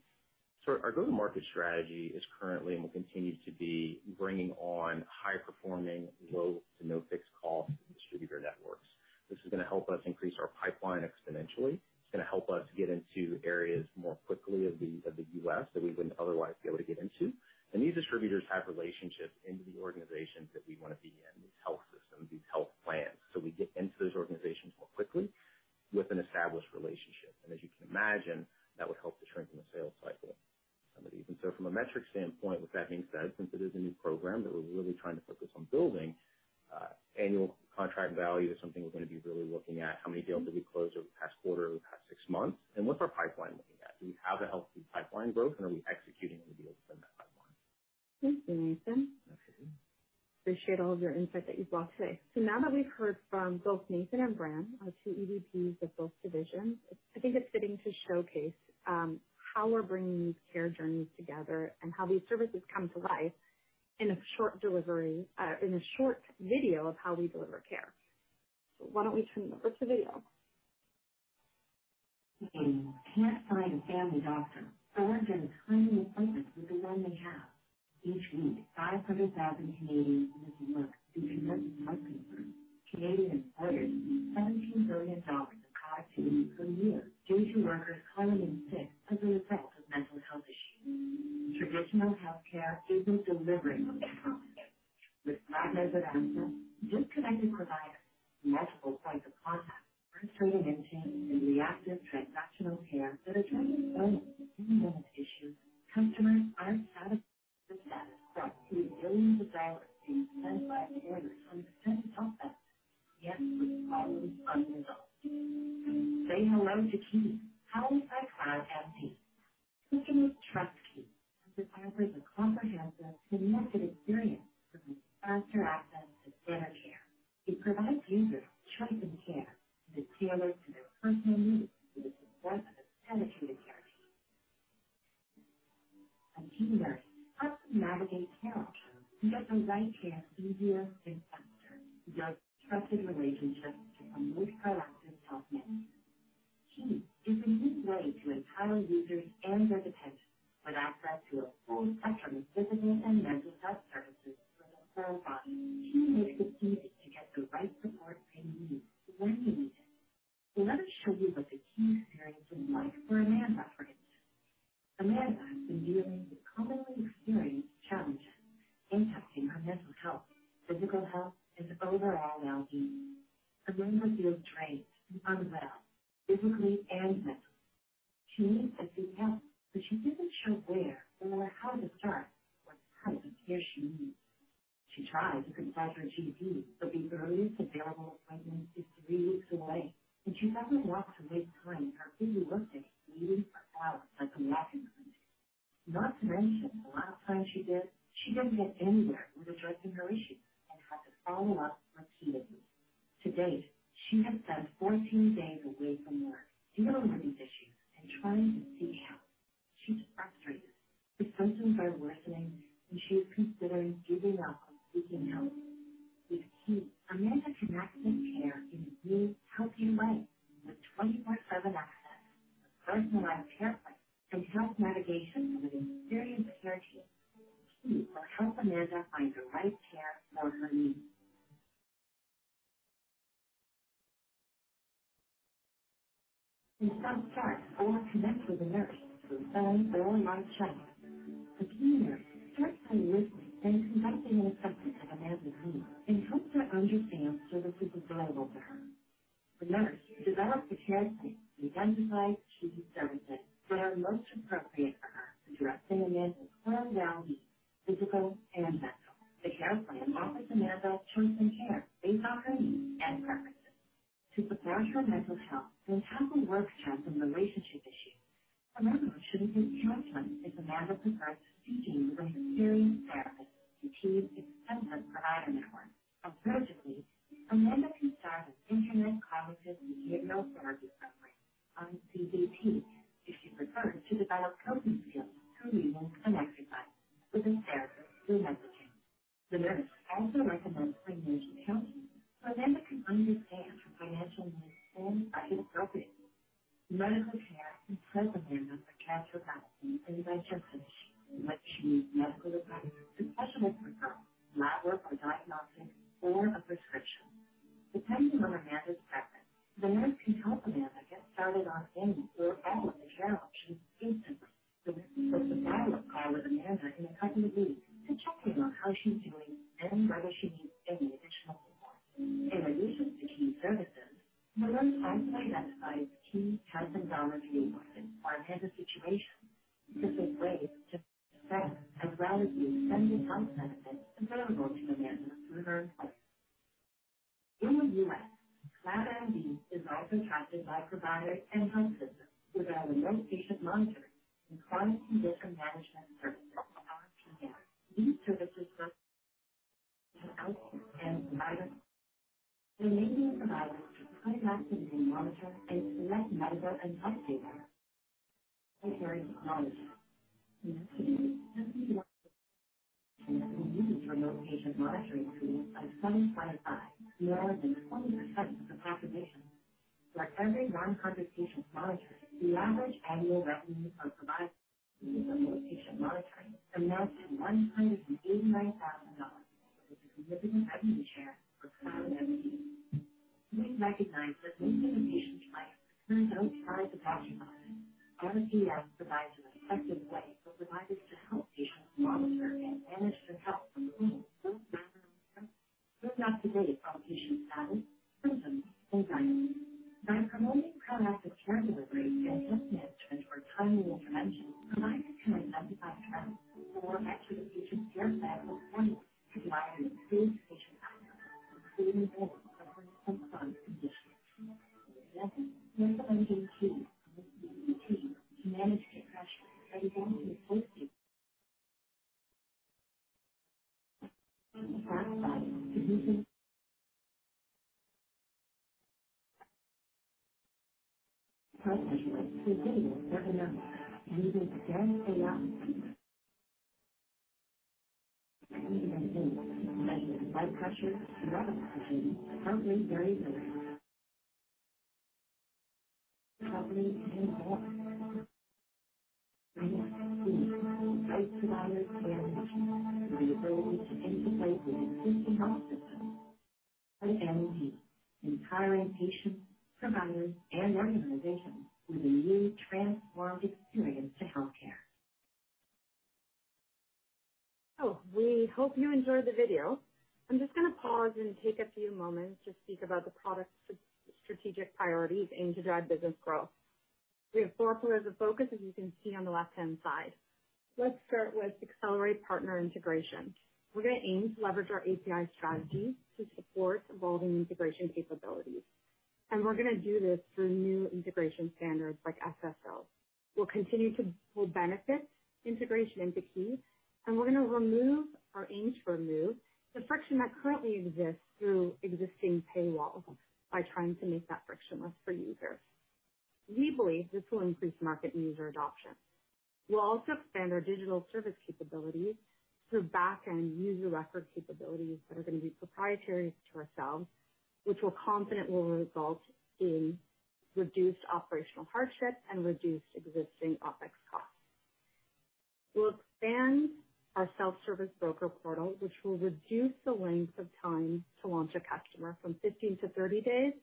Our go-to-market strategy is currently and will continue to be bringing on high-performing, low to no fixed cost distributor networks. This is going to help us increase our pipeline exponentially. It's going to help us get into areas more quickly of the U.S. that we wouldn't otherwise be able to get into. These distributors have relationships into the organizations that we want to be in, these health systems, these health plans. We get into those organizations more quickly with an established relationship. And as you can imagine, that would help to strengthen the sales cycle somebody. From a metric standpoint, with that being said, since it is a new program that we're really trying to focus on building, annual contract value is something we're going to be really looking at. How many deals did we close over the past quarter, over the past six months? And what's our pipeline looking at? Do we have a healthy pipeline growth, and are we executing on the deals in that pipeline? Thank you, Nathan. Thank you. Appreciate all of your insight that you've brought today. So now that we've heard from both Nathan and Bram, our two EVPs of both divisions, I think it's fitting to showcase how we're bringing these care journeys together and how these services come to life in a short delivery, in a short video of how we deliver care. So why don't we turn it over to the video? Can't find a family doctor or get a timely appointment with the one they have. Each week, 500,000 Canadians look to convert to another group. Canadian employers spend 17 billion dollars on productivity per year due to workers calling in sick as a result of mental health issues. Traditional healthcare isn't delivering on this promise. With fragmenting answers, disconnected providers, and multiple points of contact, we're turning into a reactive, transactional care that addresses only symptoms issues. Customers aren't satisfied with the status quo. We really desire to be centered by care from the center health plan, yet we're probably unresolved. Say hello to Kii, powered by CloudMD. We can trust Kii as it offers a comprehensive, connected experience with faster access to better care. It provides users with choice and care that is tailored to their personal needs through the success of a dedicated care team. A team nurse helps you navigate care options to get the right care easier and faster. It builds trusted relationships to promote proactive health management.... Kii is a unique way to empower users and their dependents with access to a full spectrum of physical and mental health services through a single platform. Kii makes it easy to get the right support they need, when they need it. So let us show you what the Kii experience is like for Amanda, for instance. Amanda has been dealing with commonly experienced challenges impacting her mental health, physical health, and overall well-being. Amanda feels drained and unwell, physically and mentally. She needs to seek help, but she isn't sure where or how to start or what type of care she needs. She tries to contact her GP, but the earliest available appointment is three weeks away, and she doesn't want to waste time in her busy workday waiting for hours like the last time. Not to mention, the last time she did, she didn't get anywhere with addressing her issues and had to follow up repeatedly. To date, she has spent 14 days away from work dealing with these issues and trying to seek help. She's frustrated. Her symptoms are worsening, and she is considering giving up on seeking help. With Kii, Amanda can access care in a new, healthier way, with 24/7 access, personalized care plans, and health navigation with an experienced care team. Kii will help Amanda find the right care for her needs. She can self-start or connect with a nurse through phone or online chat. The Kii nurse starts by listening and conducting an assessment of Amanda's needs and helps her understand services available to her. The nurse develops a care plan to identify Kii services that are most appropriate for her, addressing Amanda's overall well-being, physical and mental. The care plan offers Amanda choice in care based on her needs and preferences. To support her mental health and tackle work stress and relationship issues, Amanda was shown that counseling is Amanda's preferred speaking with an experienced therapist through Kii's extensive provider network. Alternatively, Amanda can start with internet cognitive behavioral therapy, or iCBT, if she prefers to develop coping skills through reading and exercises with a therapist through Hyperchange. The nurse also recommends financial counseling, so Amanda can understand her financial needs and budget appropriately. Medical care informs Amanda of telepathic and by telephone, when she needs medical advice, professional referral, lab work or diagnostics, or a prescription. Depending on Amanda's preference, the nurse can help Amanda get started on any or all of the care options instantly. The nurse will schedule a follow-up call with Amanda in a couple of weeks to check in on how she's doing and whether she needs any additional support. In addition to Kii services, the nurse also identifies Kii tax and dollar savings or benefit situations, specific ways to save and broadly extend the health benefits available to Amanda through her employer. In the U.S., CloudMD is also tapped by providers and health systems to develop remote patient monitoring and chronic condition management services, CCM. These services work and providers. They're enabling providers to proactively monitor and collect medical and health data technology. In Kii, 51 use remote patient monitoring tools like 755, more than 20% of the population. For every non-heart patient monitored, the average annual revenue per provider using remote patient monitoring amounts to $189,000, which is a significant revenue share for CloudMD. We recognize that most of a patient's life occurs outside the doctor's office. RPM provides an effective way for providers to help patients monitor and manage their health from the home, not today from patient status, symptoms, and signs. By promoting proactive care delivery and illness management or timely intervention, providers can identify trends or activate the patient's care path or plan to provide an improved patient outcome, including more for chronic conditions. For example, here's Amanda, with the team to manage depression by examining reducing blood pressure and other conditions are currently very low. Probably more. Kii provides providers care management with the ability to integrate with an existing health system. CloudMD is empowering patients, providers, and organizations with a new transformed experience to healthcare. So we hope you enjoyed the video. I'm just going to pause and take a few moments to speak about the product's strategic priorities aimed to drive business growth. We have four pillars of focus, as you can see on the left-hand side. Let's start with accelerate partner integration. We're going to aim to leverage our API strategy to support evolving integration capabilities, and we're going to do this through new integration standards like SSO. We'll continue to build benefits integration into Kii, and we're going to remove or aim to remove the friction that currently exists through existing paywalls by trying to make that frictionless for users. We believe this will increase market and user adoption. We'll also expand our digital service capabilities through backend user record capabilities that are gonna be proprietary to ourselves, which we're confident will result in reduced operational hardships and reduced existing OpEx costs. We'll expand our self-service broker portal, which will reduce the length of time to launch a customer from 15 days-30 days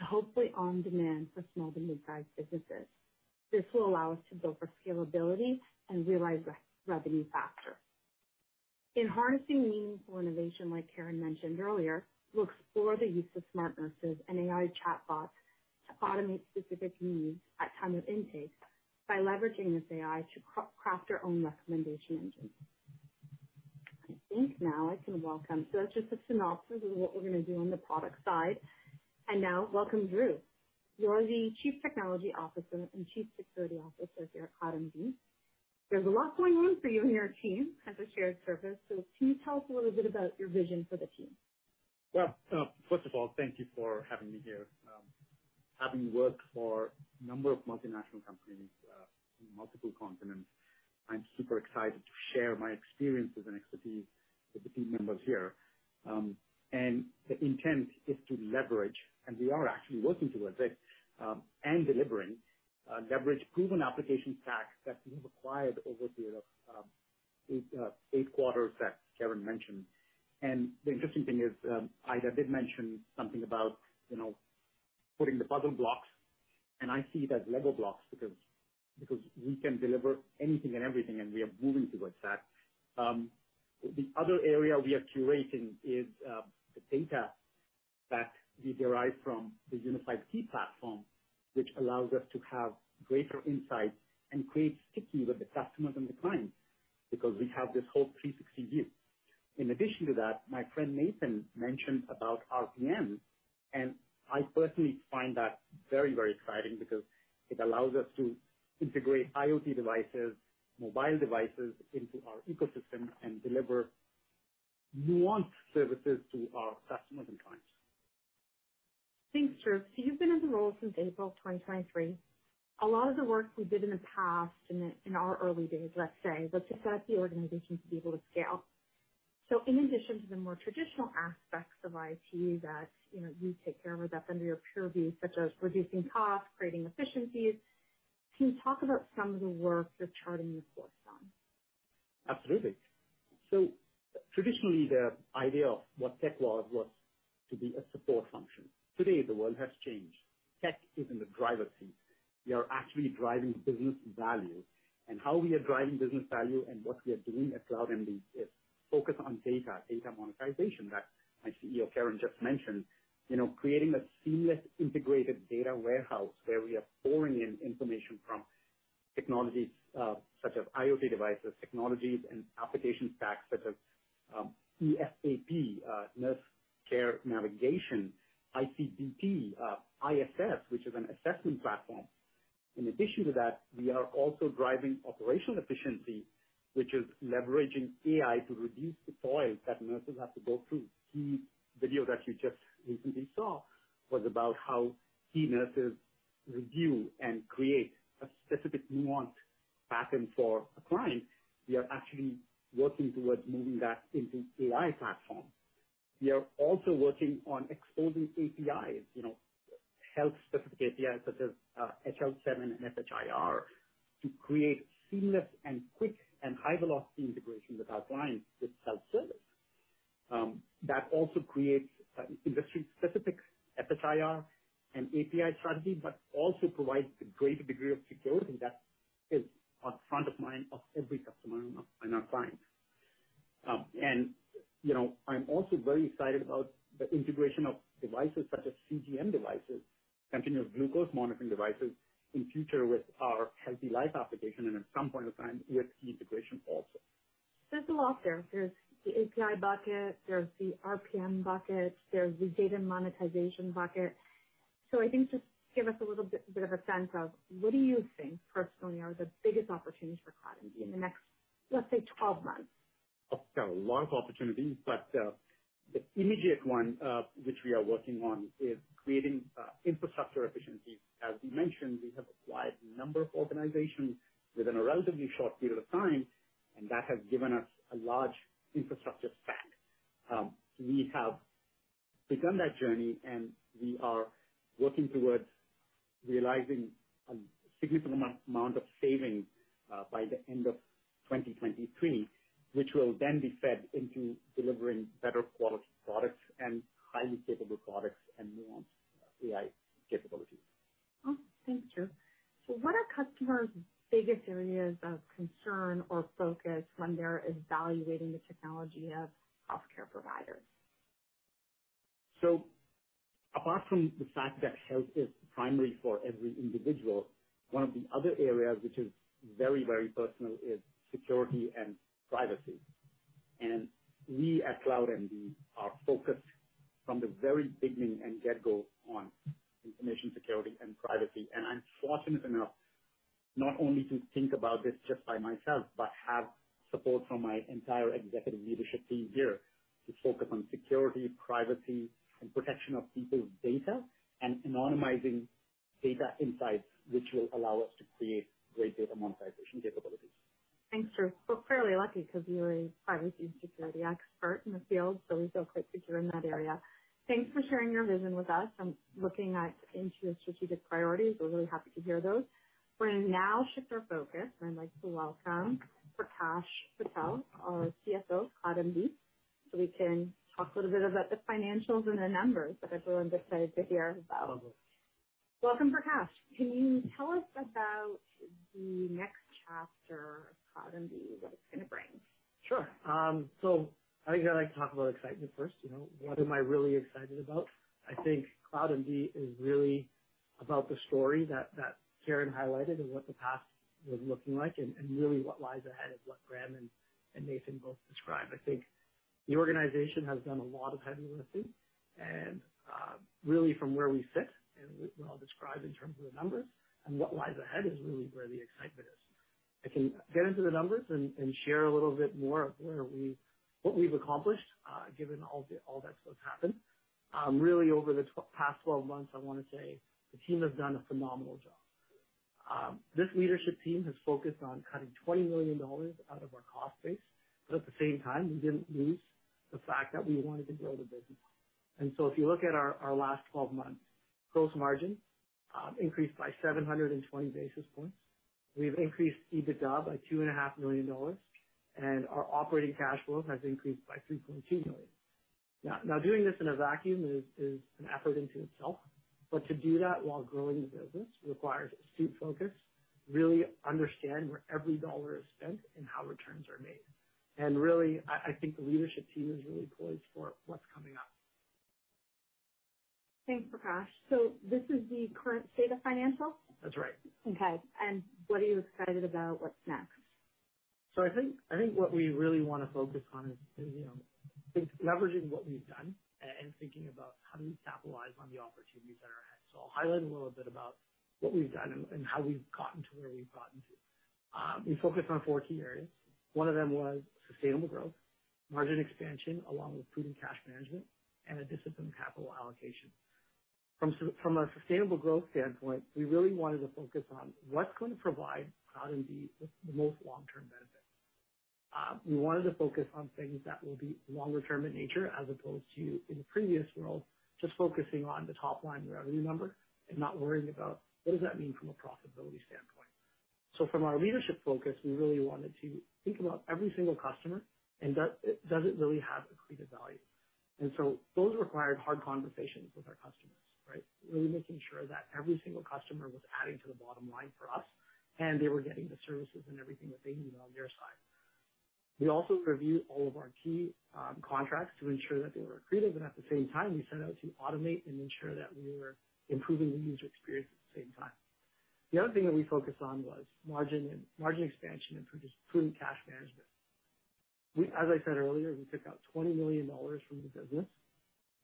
to hopefully on demand for small to midsize businesses. This will allow us to build for scalability and realize revenue faster. In harnessing meaningful innovation, like Karen mentioned earlier, we'll explore the use of smart nurses and AI chatbots to automate specific needs at time of intake by leveraging this AI to craft our own recommendation engine. I think now I can welcome. So that's just a synopsis of what we're gonna do on the product side. And now, welcome, Dhruv. You're the Chief Technology Officer and Chief Security Officer here at CloudMD. There's a lot going on for you and your team as a shared service, so can you tell us a little bit about your vision for the team? Well, first of all, thank you for having me here. Having worked for a number of multinational companies, in multiple continents, I'm super excited to share my experience as an expertise with the team members here. And the intent is to leverage, and we are actually working towards it, and delivering, leverage proven application stacks that we've acquired over the period of eight quarters that Karen mentioned. And the interesting thing is, Aida did mention something about, you know, putting the puzzle blocks, and I see it as Lego blocks because we can deliver anything and everything, and we are moving towards that. The other area we are curating is the data that we derive from the unified Kii platform, which allows us to have greater insight and create sticky with the customers and the clients, because we have this whole 360 view. In addition to that, my friend Nathan mentioned about RPM, and I personally find that very, very exciting because it allows us to integrate IoT devices, mobile devices into our ecosystem and deliver nuanced services to our customers and clients. Thanks, Dhruv. So you've been in the role since April of 2023. A lot of the work we did in the past, in our early days, let's say, was to set up the organization to be able to scale. So in addition to the more traditional aspects of IT that, you know, you take care of that are under your purview, such as reducing costs, creating efficiencies, can you talk about some of the work you're charting your course on? Absolutely. So traditionally, the idea of what tech was, was to be a support function. Today, the world has changed. Tech is in the driver's seat. We are actually driving business value. And how we are driving business value and what we are doing at CloudMD is focus on data, data monetization, that my CEO, Karen, just mentioned. You know, creating a seamless integrated data warehouse where we are pouring in information from technologies, such as IoT devices, technologies, and application stacks such as, EFAP, nurse care navigation, iCBT, iAssess, which is an assessment platform. In addition to that, we are also driving operational efficiency, which is leveraging AI to reduce the toil that nurses have to go through. Kii video that you just recently saw was about how key nurses review and create a specific nuanced pattern for a client. We are actually working towards moving that into AI platform. We are also working on exposing APIs, you know, health-specific APIs such as, HL7 and FHIR, to create seamless and quick and high-velocity integrations with our clients with self-service. That also creates, industry-specific FHIR and API strategy, but also provides a greater degree of security that is at front of mind of every customer and our, and our clients. And, you know, I'm also very excited about the integration of devices such as CGM devices, continuous glucose monitoring devices, in future with our Healthy Life application, and at some point in time, with e-integration also. There's a lot there. There's the API bucket, there's the RPM bucket, there's the data monetization bucket. So I think just give us a little bit of a sense of what do you think personally are the biggest opportunities for CloudMD in the next, let's say, 12 months? There are a lot of opportunities, but, the immediate one, which we are working on, is creating, infrastructure efficiency. As we mentioned, we have acquired a number of organizations within a relatively short period of time, and that has given us a large infrastructure stack. We have begun that journey, and we are working towards realizing a significant amount of savings, by the end of 2023, which will then be fed into delivering better quality products and highly capable products and nuanced AI capabilities. Oh, thanks, Dhruv. So what are customers' biggest areas of concern or focus when they're evaluating the technology of healthcare providers? Apart from the fact that health is primary for every individual, one of the other areas, which is very, very personal, is security and privacy. We at CloudMD are focused from the very beginning and get-go on information security and privacy. I'm fortunate enough not only to think about this just by myself, but have support from my entire executive leadership team here to focus on security, privacy, and protection of people's data, and anonymizing-... data insights, which will allow us to create great data monetization capabilities. Thanks, Dhruv. We're fairly lucky because you're a privacy and security expert in the field, so we feel quite secure in that area. Thanks for sharing your vision with us. I'm looking into your strategic priorities. We're really happy to hear those. We're going to now shift our focus, and I'd like to welcome Prakash Patel, our CFO, CloudMD, so we can talk a little bit about the financials and the numbers that everyone's excited to hear about. Welcome, Prakash. Can you tell us about the next chapter of CloudMD, what it's gonna bring? Sure. So I think I'd like to talk about excitement first. You know, what am I really excited about? I think CloudMD is really about the story that, that Karen highlighted and what the past was looking like, and, and really what lies ahead is what Bram and, and Nathan both described. I think the organization has done a lot of heavy lifting, and, really from where we sit, and what I'll describe in terms of the numbers and what lies ahead is really where the excitement is. I can get into the numbers and, and share a little bit more of where we... What we've accomplished, given all that's what's happened. Really over the past 12 months, I want to say, the team has done a phenomenal job. This leadership team has focused on cutting 20 million dollars out of our cost base, but at the same time, we didn't lose the fact that we wanted to grow the business. So if you look at our last 12 months, gross margin increased by 720 basis points. We've increased EBITDA by 2.5 million dollars, and our operating cash flow has increased by 3.2 million. Now, doing this in a vacuum is an effort in itself, but to do that while growing the business requires acute focus, really understand where every dollar is spent and how returns are made. Really, I think the leadership team is really poised for what's coming up. Thanks, Prakash. So this is the current state of financials? That's right. Okay. What are you excited about? What's next? So I think, I think what we really want to focus on is, you know, I think leveraging what we've done and thinking about how do we capitalize on the opportunities that are ahead. So I'll highlight a little bit about what we've done and how we've gotten to where we've gotten to. We focused on four key areas. One of them was sustainable growth, margin expansion, along with prudent cash management and a disciplined capital allocation. From a sustainable growth standpoint, we really wanted to focus on what's going to provide CloudMD with the most long-term benefit. We wanted to focus on things that will be longer term in nature, as opposed to in the previous world, just focusing on the top line revenue number and not worrying about what does that mean from a profitability standpoint. So from our leadership focus, we really wanted to think about every single customer, and does, does it really have accretive value? And so those required hard conversations with our customers, right? Really making sure that every single customer was adding to the bottom line for us, and they were getting the services and everything that they need on their side. We also reviewed all of our key contracts to ensure that they were accretive, and at the same time, we set out to automate and ensure that we were improving the user experience at the same time. The other thing that we focused on was margin and margin expansion and prudent cash management. We, as I said earlier, we took out 20 million dollars from the business,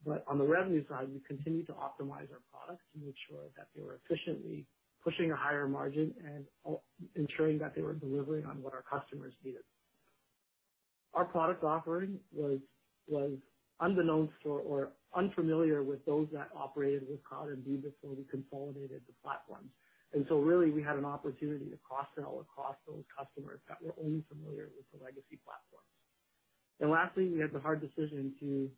but on the revenue side, we continued to optimize our products to make sure that they were efficiently pushing a higher margin and also ensuring that they were delivering on what our customers needed. Our product offering was, was unbeknownst or, or unfamiliar with those that operated with CloudMD before we consolidated the platforms. And lastly, we had the hard decision to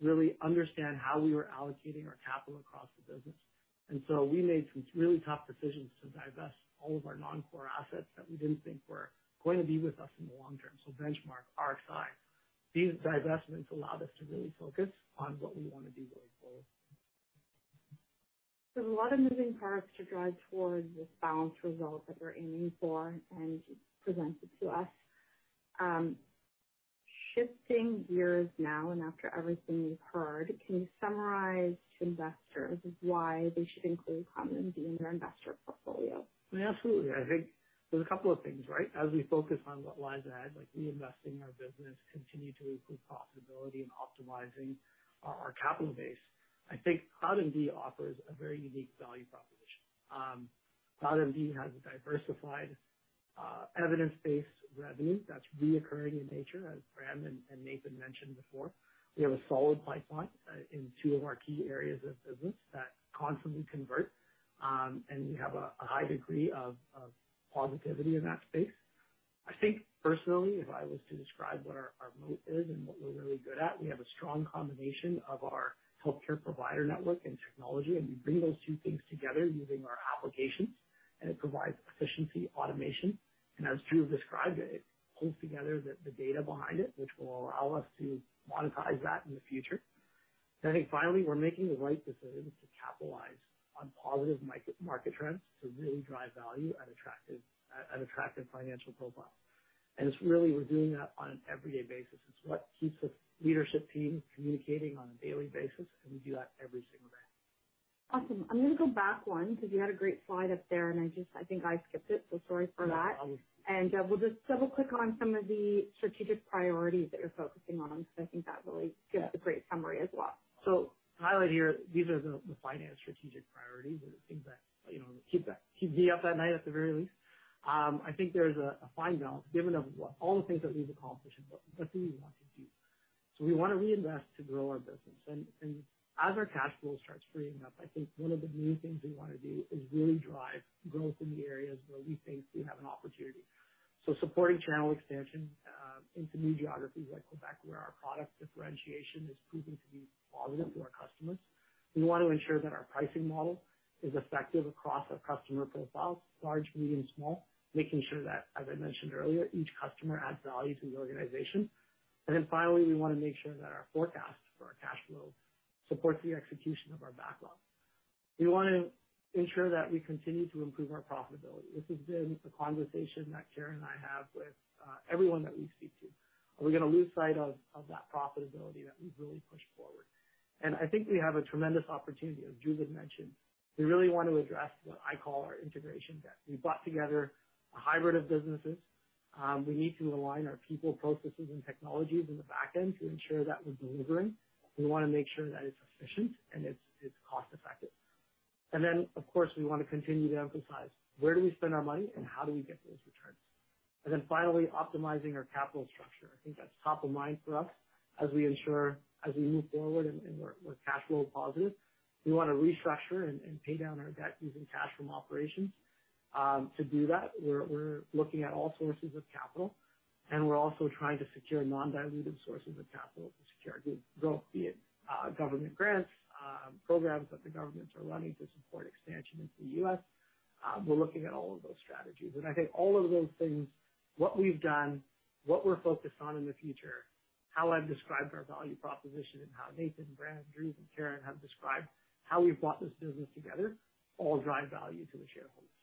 really understand how we were allocating our capital across the business, and so we made some really tough decisions to divest all of our non-core assets that we didn't think were going to be with us in the long term, so Benchmark Systems. These divestments allowed us to really focus on what we want to do going forward. A lot of moving parts to drive towards this balanced result that you're aiming for and you presented to us. Shifting gears now, and after everything we've heard, can you summarize to investors why they should include CloudMD in their investor portfolio? Absolutely. I think there's a couple of things, right? As we focus on what lies ahead, like reinvesting in our business, continue to improve profitability, and optimizing our capital base. I think CloudMD offers a very unique value proposition. CloudMD has a diversified, evidence-based revenue that's recurring in nature, as Graham and Nathan mentioned before. We have a solid pipeline in two of our key areas of business that constantly convert, and we have a high degree of positivity in that space. I think personally, if I was to describe what our moat is and what we're really good at, we have a strong combination of our healthcare provider network and technology, and we bring those two things together using our applications, and it provides efficiency, automation, and as Dhruv described it, it holds together the data behind it, which will allow us to monetize that in the future. I think finally, we're making the right decisions to capitalize on positive market trends, to really drive value at attractive... at an attractive financial profile. It's really, we're doing that on an every day basis. It's what keeps the leadership team communicating on a daily basis, and we do that every single day. Awesome. I'm gonna go back one, because you had a great slide up there, and I just, I think I skipped it, so sorry for that. No, problem. We'll just double-click on some of the strategic priorities that you're focusing on, because I think that really- Yeah. gives a great summary as well. So to highlight here, these are the finance strategic priorities, or the things that, you know, keep me up at night, at the very least. I think there's a fine balance given of what all the things that we've accomplished and what do we want to do? So we want to reinvest to grow our business. And as our cash flow starts freeing up, I think one of the main things we want to do is really drive growth in the areas where we think we have an opportunity. So supporting channel expansion into new geographies like Quebec, where our product differentiation is proving to be positive for our customers. We want to ensure that our pricing model is effective across our customer profiles, large, medium, small, making sure that, as I mentioned earlier, each customer adds value to the organization. And then finally, we want to make sure that our forecast for our cash flow supports the execution of our backlog. We want to ensure that we continue to improve our profitability. This has been a conversation that Karen and I have with everyone that we speak to. Are we going to lose sight of that profitability that we've really pushed forward? And I think we have a tremendous opportunity, as Dhruv has mentioned. We really want to address what I call our integration debt. We've brought together a hybrid of businesses. We need to align our people, processes, and technologies in the back end to ensure that we're delivering. We want to make sure that it's efficient and it's cost effective. And then, of course, we want to continue to emphasize where do we spend our money and how do we get those returns? And then finally, optimizing our capital structure. I think that's top of mind for us as we ensure, as we move forward and we're cash flow positive, we want to restructure and pay down our debt using cash from operations. To do that, we're looking at all sources of capital, and we're also trying to secure non-dilutive sources of capital to secure growth, be it government grants, programs that the governments are running to support expansion into the U.S.. We're looking at all of those strategies, and I think all of those things, what we've done, what we're focused on in the future, how I've described our value proposition and how Nathan, Graham, Dhruv, and Karen have described how we've brought this business together, all drive value to the shareholders.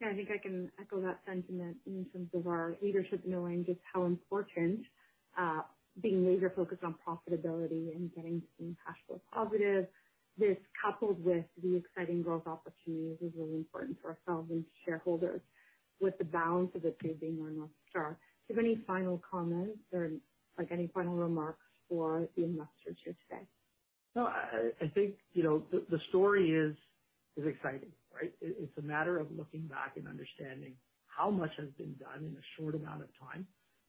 Yeah, I think I can echo that sentiment in terms of our leadership knowing just how important being laser focused on profitability and getting to being cash flow positive. This, coupled with the exciting growth opportunities, is really important for ourselves and shareholders, with the balance of it being our North Star. Do you have any final comments or, like, any final remarks for the investors here today? No, I think, you know, the story is exciting, right? It's a matter of looking back and understanding how much has been done in a short amount of time,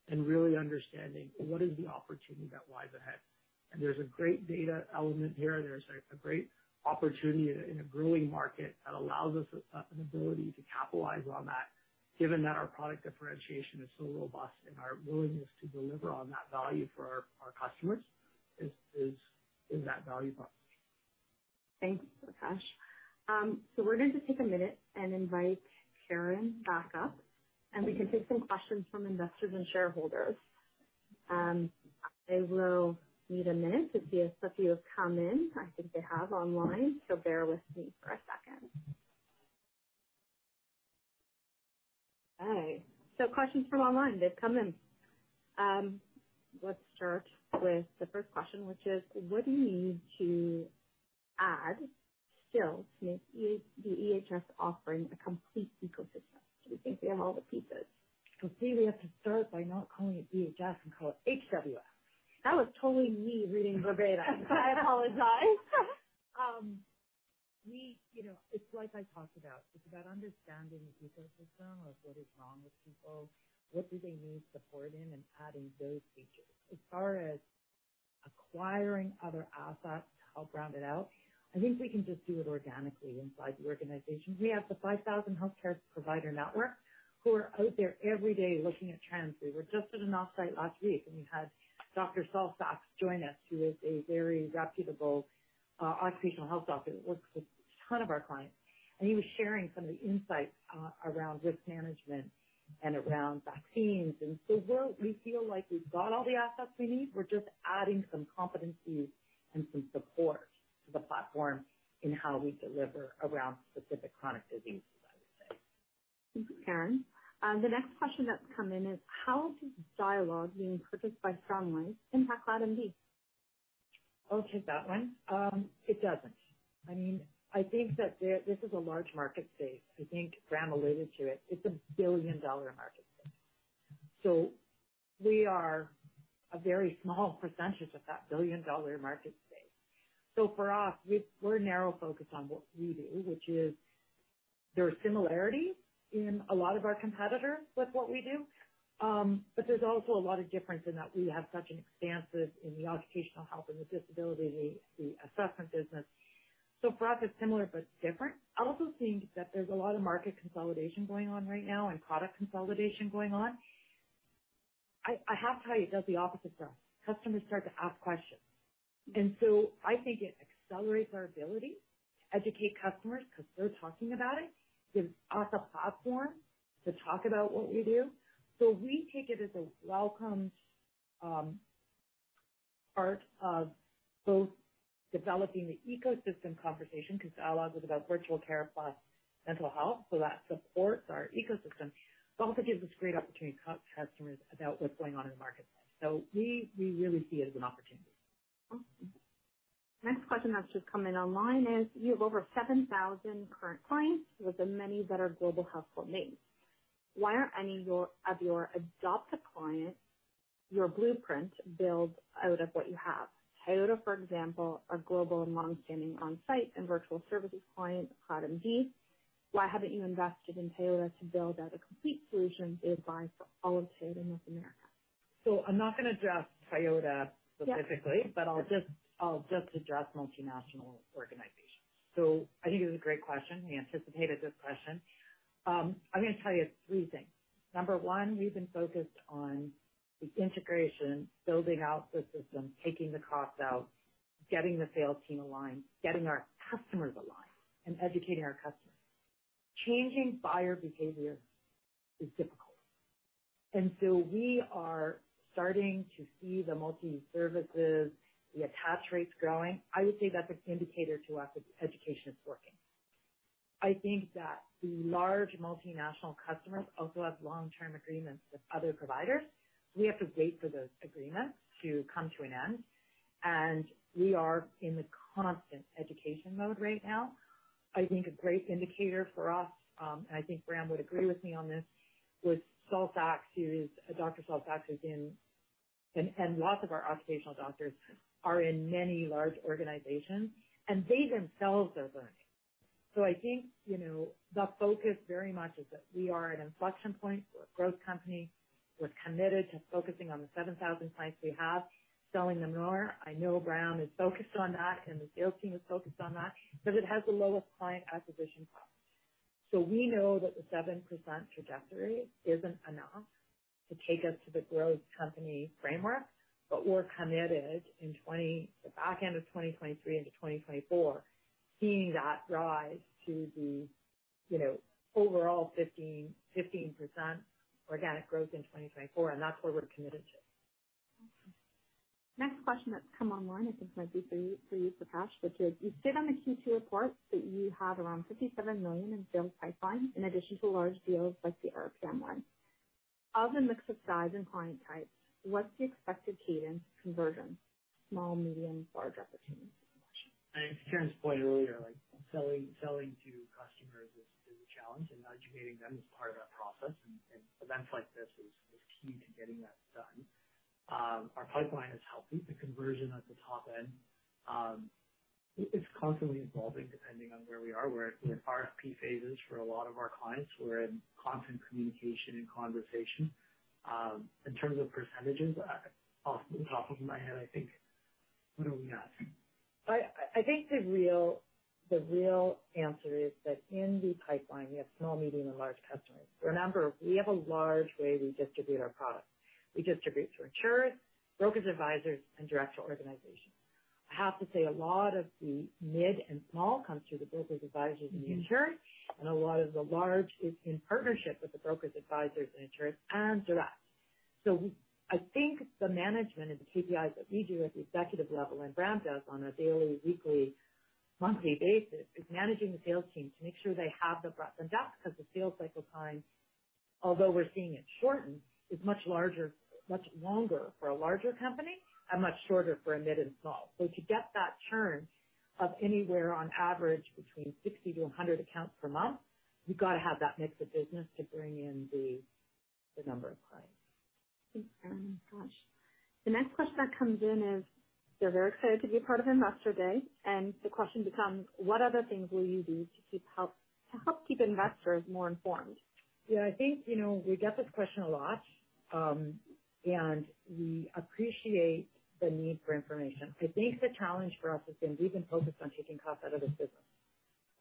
and really understanding what is the opportunity that lies ahead. There's a great data element here. There's a great opportunity in a growing market that allows us an ability to capitalize on that, given that our product differentiation is so robust, and our willingness to deliver on that value for our customers is that value prop. Thanks, Prakash. We're going to take a minute and invite Karen back up, and we can take some questions from investors and shareholders. I will need a minute to see if a few have come in. I think they have online, so bear with me for a second. Okay, questions from online. They've come in. Let's start with the first question, which is: What do you need to add still to make the EHS offering a complete ecosystem? Do you think we have all the pieces? We have to start by not calling it EHS and call it HWS. That was totally me reading verbatim. I apologize. We... You know, it's like I talked about. It's about understanding the ecosystem of what is wrong with people, what do they need support in, and adding those pieces. As far as acquiring other assets to help round it out, I think we can just do it organically inside the organization. We have the 5,000 healthcare provider network who are out there every day looking at trends. We were just at an off-site last week, and we had Dr. Solzberg join us, who is a very reputable, occupational health doctor, who works with a ton of our clients, and he was sharing some of the insights, around risk management and around vaccines. We feel like we've got all the assets we need. We're just adding some competencies and some support to the platform in how we deliver around specific chronic diseases, I would say. Thank you, Karen. The next question that's come in is: How does Dialogue being purchased by Sun Life impact CloudMD? I'll take that one. It doesn't. I mean, I think this is a large market space. I think Graham alluded to it. It's a billion-dollar market space, so we are a very small percentage of that billion-dollar market space. So for us, we're narrow focused on what we do, which is... There are similarities in a lot of our competitors with what we do, but there's also a lot of difference in that we have such an expansive in the occupational health and the disability, the assessment business. So for us, it's similar but different. I also think that there's a lot of market consolidation going on right now, and product consolidation going on. I have to tell you, it does the opposite for us. Customers start to ask questions, and so I think it accelerates our ability to educate customers because they're talking about it, gives us a platform to talk about what we do. So we take it as a welcome part of both developing the ecosystem conversation, because Dialogue is about virtual care plus mental health, so that supports our ecosystem. It also gives us great opportunity to talk to customers about what's going on in the marketplace. So we, we really see it as an opportunity. Awesome. Next question that's just come in online is: You have over 7,000 current clients, with many that are global household names. Why aren't any of your adopted clients, your blueprint, built out of what you have? Toyota, for example, our global and long-standing on-site and virtual services client, CloudMD... Why haven't you invested in Toyota to build out a complete solution to advise for all of Toyota North America? I'm not gonna address Toyota specifically- Yeah. But I'll just, I'll just address multinational organizations. So I think it's a great question. We anticipated this question. I'm gonna tell you three things. Number one, we've been focused on the integration, building out the system, taking the cost out, getting the sales team aligned, getting our customers aligned, and educating our customers. Changing buyer behavior is difficult, and so we are starting to see the multi-services, the attach rates growing. I would say that's an indicator to us that education is working. I think that the large multinational customers also have long-term agreements with other providers. We have to wait for those agreements to come to an end, and we are in the constant education mode right now. I think a great indicator for us, and I think Bram would agree with me on this, was Solzberg, who is... Dr. Solzberg is in, and lots of our occupational doctors are in many large organizations, and they themselves are learning. So I think, you know, the focus very much is that we are at an inflection point. We're a growth company. We're committed to focusing on the 7,000 clients we have, selling them more. I know Bram is focused on that, and the sales team is focused on that, because it has the lowest client acquisition cost. So we know that the 7% trajectory isn't enough to take us to the growth company framework, but we're committed in the back end of 2023 into 2024, seeing that rise to the, you know, overall 15%, 15% organic growth in 2024, and that's what we're committed to. Okay. Next question that's come online, I think, might be for you, for you, Prakash, which is, you've said on the Q2 report that you have around 57 million in sales pipeline, in addition to large deals like the RPM one. Of the mix of size and client types, what's the expected cadence conversion, small, medium, large opportunities? I think to Karen's point earlier, like, selling, selling to customers is a challenge, and educating them is part of that process, and events like this is key to getting that done. Our pipeline is healthy. The conversion at the top end, it's constantly evolving, depending on where we are. We're in RFP phases for a lot of our clients. We're in constant communication and conversation. In terms of percentages, off the top of my head, I think, what do we have? I think the real answer is that in the pipeline, we have small, medium, and large customers. Remember, we have a large way we distribute our products. We distribute through insurers, brokers, advisors, and direct to organizations. I have to say, a lot of the mid and small come through the brokers, advisors, and insurers, and a lot of the large is in partnership with the brokers, advisors, and insurers and direct. I think the management and the KPIs that we do at the executive level, and Bram does on a daily, weekly, monthly basis, is managing the sales team to make sure they have the breadth and depth, because the sales cycle time, although we're seeing it shorten, is much larger, much longer for a larger company and much shorter for a mid and small. So to get that churn of anywhere on average between 60 accounts-100 accounts per month, you've got to have that mix of business to bring in the number of clients. Thanks, Karen. Gosh. The next question that comes in is, they're very excited to be a part of Investor Day, and the question becomes: What other things will you do to help keep investors more informed? Yeah, I think, you know, we get this question a lot, and we appreciate the need for information. I think the challenge for us has been we've been focused on taking cost out of the business.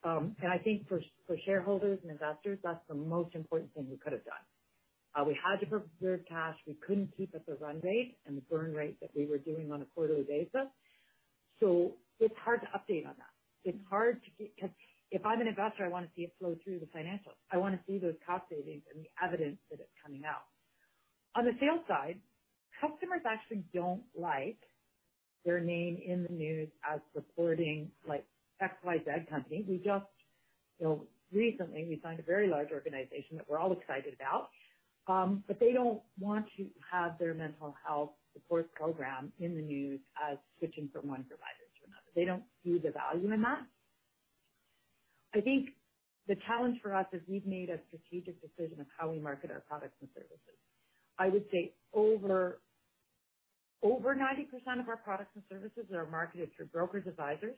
I think for shareholders and investors, that's the most important thing we could have done. We had to preserve cash. We couldn't keep at the run rate and the burn rate that we were doing on a quarterly basis, so it's hard to update on that. It's hard to keep, because if I'm an investor, I want to see it flow through the financials. I want to see those cost savings and the evidence that it's coming out. On the sales side, customers actually don't like their name in the news as supporting, like, XYZ company. We just... You know, recently we signed a very large organization that we're all excited about, but they don't want to have their mental health support program in the news as switching from one provider to another. They don't see the value in that. I think the challenge for us is we've made a strategic decision of how we market our products and services. I would say over 90% of our products and services are marketed through brokers, advisors,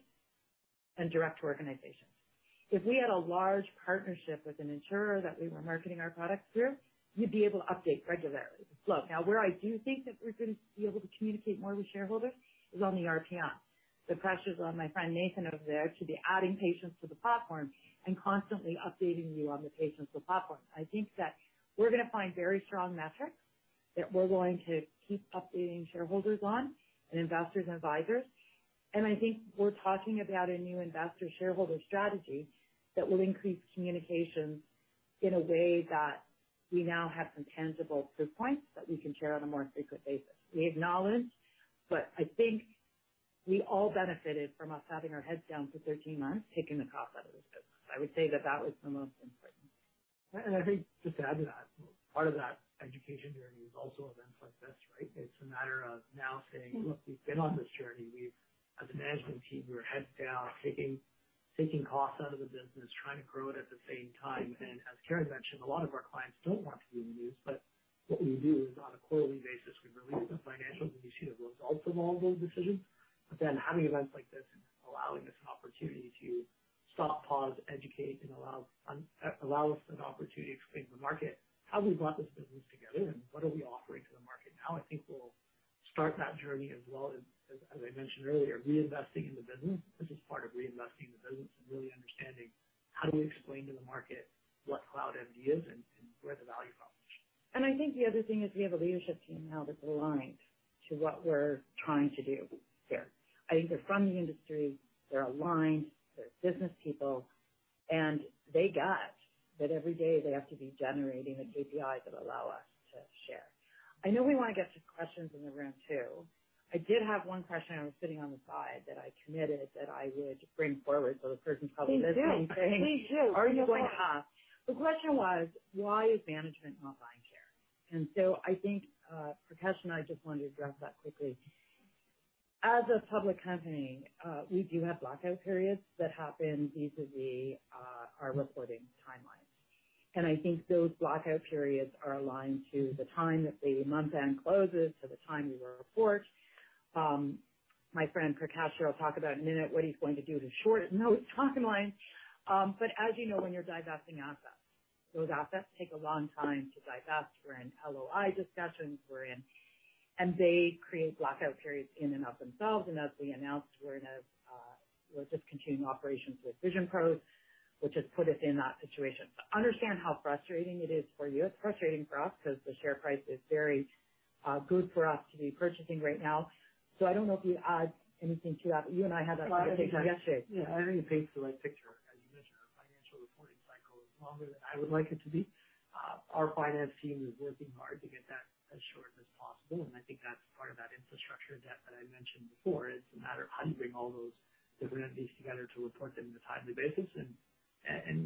and direct to organizations. If we had a large partnership with an insurer that we were marketing our products through, you'd be able to update regularly the flow. Now, where I do think that we're going to be able to communicate more with shareholders is on the RPM. The pressure is on my friend, Nathan, over there to be adding patients to the platform and constantly updating you on the patients on the platform. I think that we're gonna find very strong metrics that we're going to keep updating shareholders on, and investors and advisors. I think we're talking about a new investor shareholder strategy that will increase communications in a way that we now have some tangible proof points that we can share on a more frequent basis. We acknowledge, but I think we all benefited from us having our heads down for 13 months, taking the cost out of the business. I would say that that was the most important. And I think to add to that, part of that education journey is also events like this, right? It's a matter of now saying: Look, we've been on this journey. We've, as a management team, we're head down, taking, taking costs out of the business, trying to grow it at the same time. And as Karen mentioned, a lot of our clients don't want to be in the news, but what we do is on a quarterly basis, we release the financials, and you see the results of all those decisions... But then having events like this, allowing us an opportunity to stop, pause, educate, and allow us an opportunity to explain to the market how we brought this business together and what are we offering to the market now. I think we'll start that journey as well as, as I mentioned earlier, reinvesting in the business. This is part of reinvesting in the business and really understanding how do we explain to the market what CloudMD is and where the value proposition. And I think the other thing is we have a leadership team now that's aligned to what we're trying to do here. I think they're from the industry, they're aligned, they're business people, and they get that every day they have to be generating the KPIs that allow us to share. I know we want to get to questions in the room, too. I did have one question. I was sitting on the side that I committed that I would bring forward, so the person probably listening saying- Please do. Are you going to ask? The question was: Why is management not buying shares? And so I think, Prakash and I just wanted to address that quickly. As a public company, we do have blackout periods that happen vis-à-vis, our reporting timelines. And I think those blackout periods are aligned to the time that the month-end closes, to the time we report. My friend Prakash here will talk about in a minute, what he's going to do to shorten those timelines. But as you know, when you're divesting assets, those assets take a long time to divest. We're in LOI discussions, we're in... And they create blackout periods in and of themselves. And as we announced, we're in a, we're discontinuing operations with VisionPros, which has put us in that situation. So understand how frustrating it is for you. It's frustrating for us because the share price is very good for us to be purchasing right now. So I don't know if you'd add anything to that. You and I had that conversation yesterday. Yeah, I think it paints the right picture. As you mentioned, our financial reporting cycle is longer than I would like it to be. Our finance team is working hard to get that as short as possible, and I think that's part of that infrastructure debt that I mentioned before. It's a matter of how do you bring all those different pieces together to report them in a timely basis? And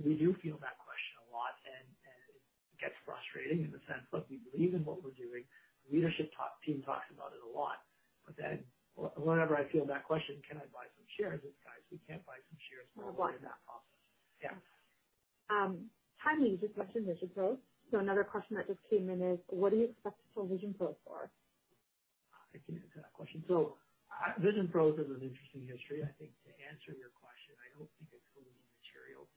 we do field that question a lot, and it gets frustrating in the sense, look, we believe in what we're doing. The leadership team talks about it a lot, but then whenever I field that question, "Can I buy some shares?" It's, "Guys, we can't buy some shares- Well, why? We're in that process. Yeah. Timing is a question, VisionPros. So another question that just came in is: What do you expect to sell VisionPros for? I can answer that question. So, VisionPros has an interesting history. I think to answer your question, I don't think it's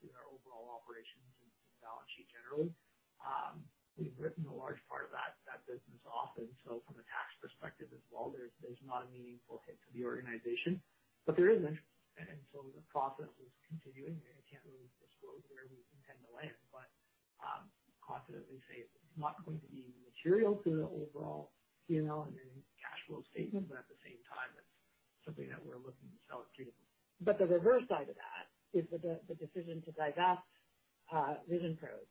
really material to our overall operations and balance sheet generally. We've written a large part of that business off, and so from a tax perspective as well, there's not a meaningful hit to the organization, but there is interest, and so the process is continuing, and I can't really disclose where we intend to land. But, confidently say it's not going to be material to the overall PNL and then cash flow statement. But at the same time, it's something that we're looking to sell it to. But the reverse side of that is that the decision to divest VisionPros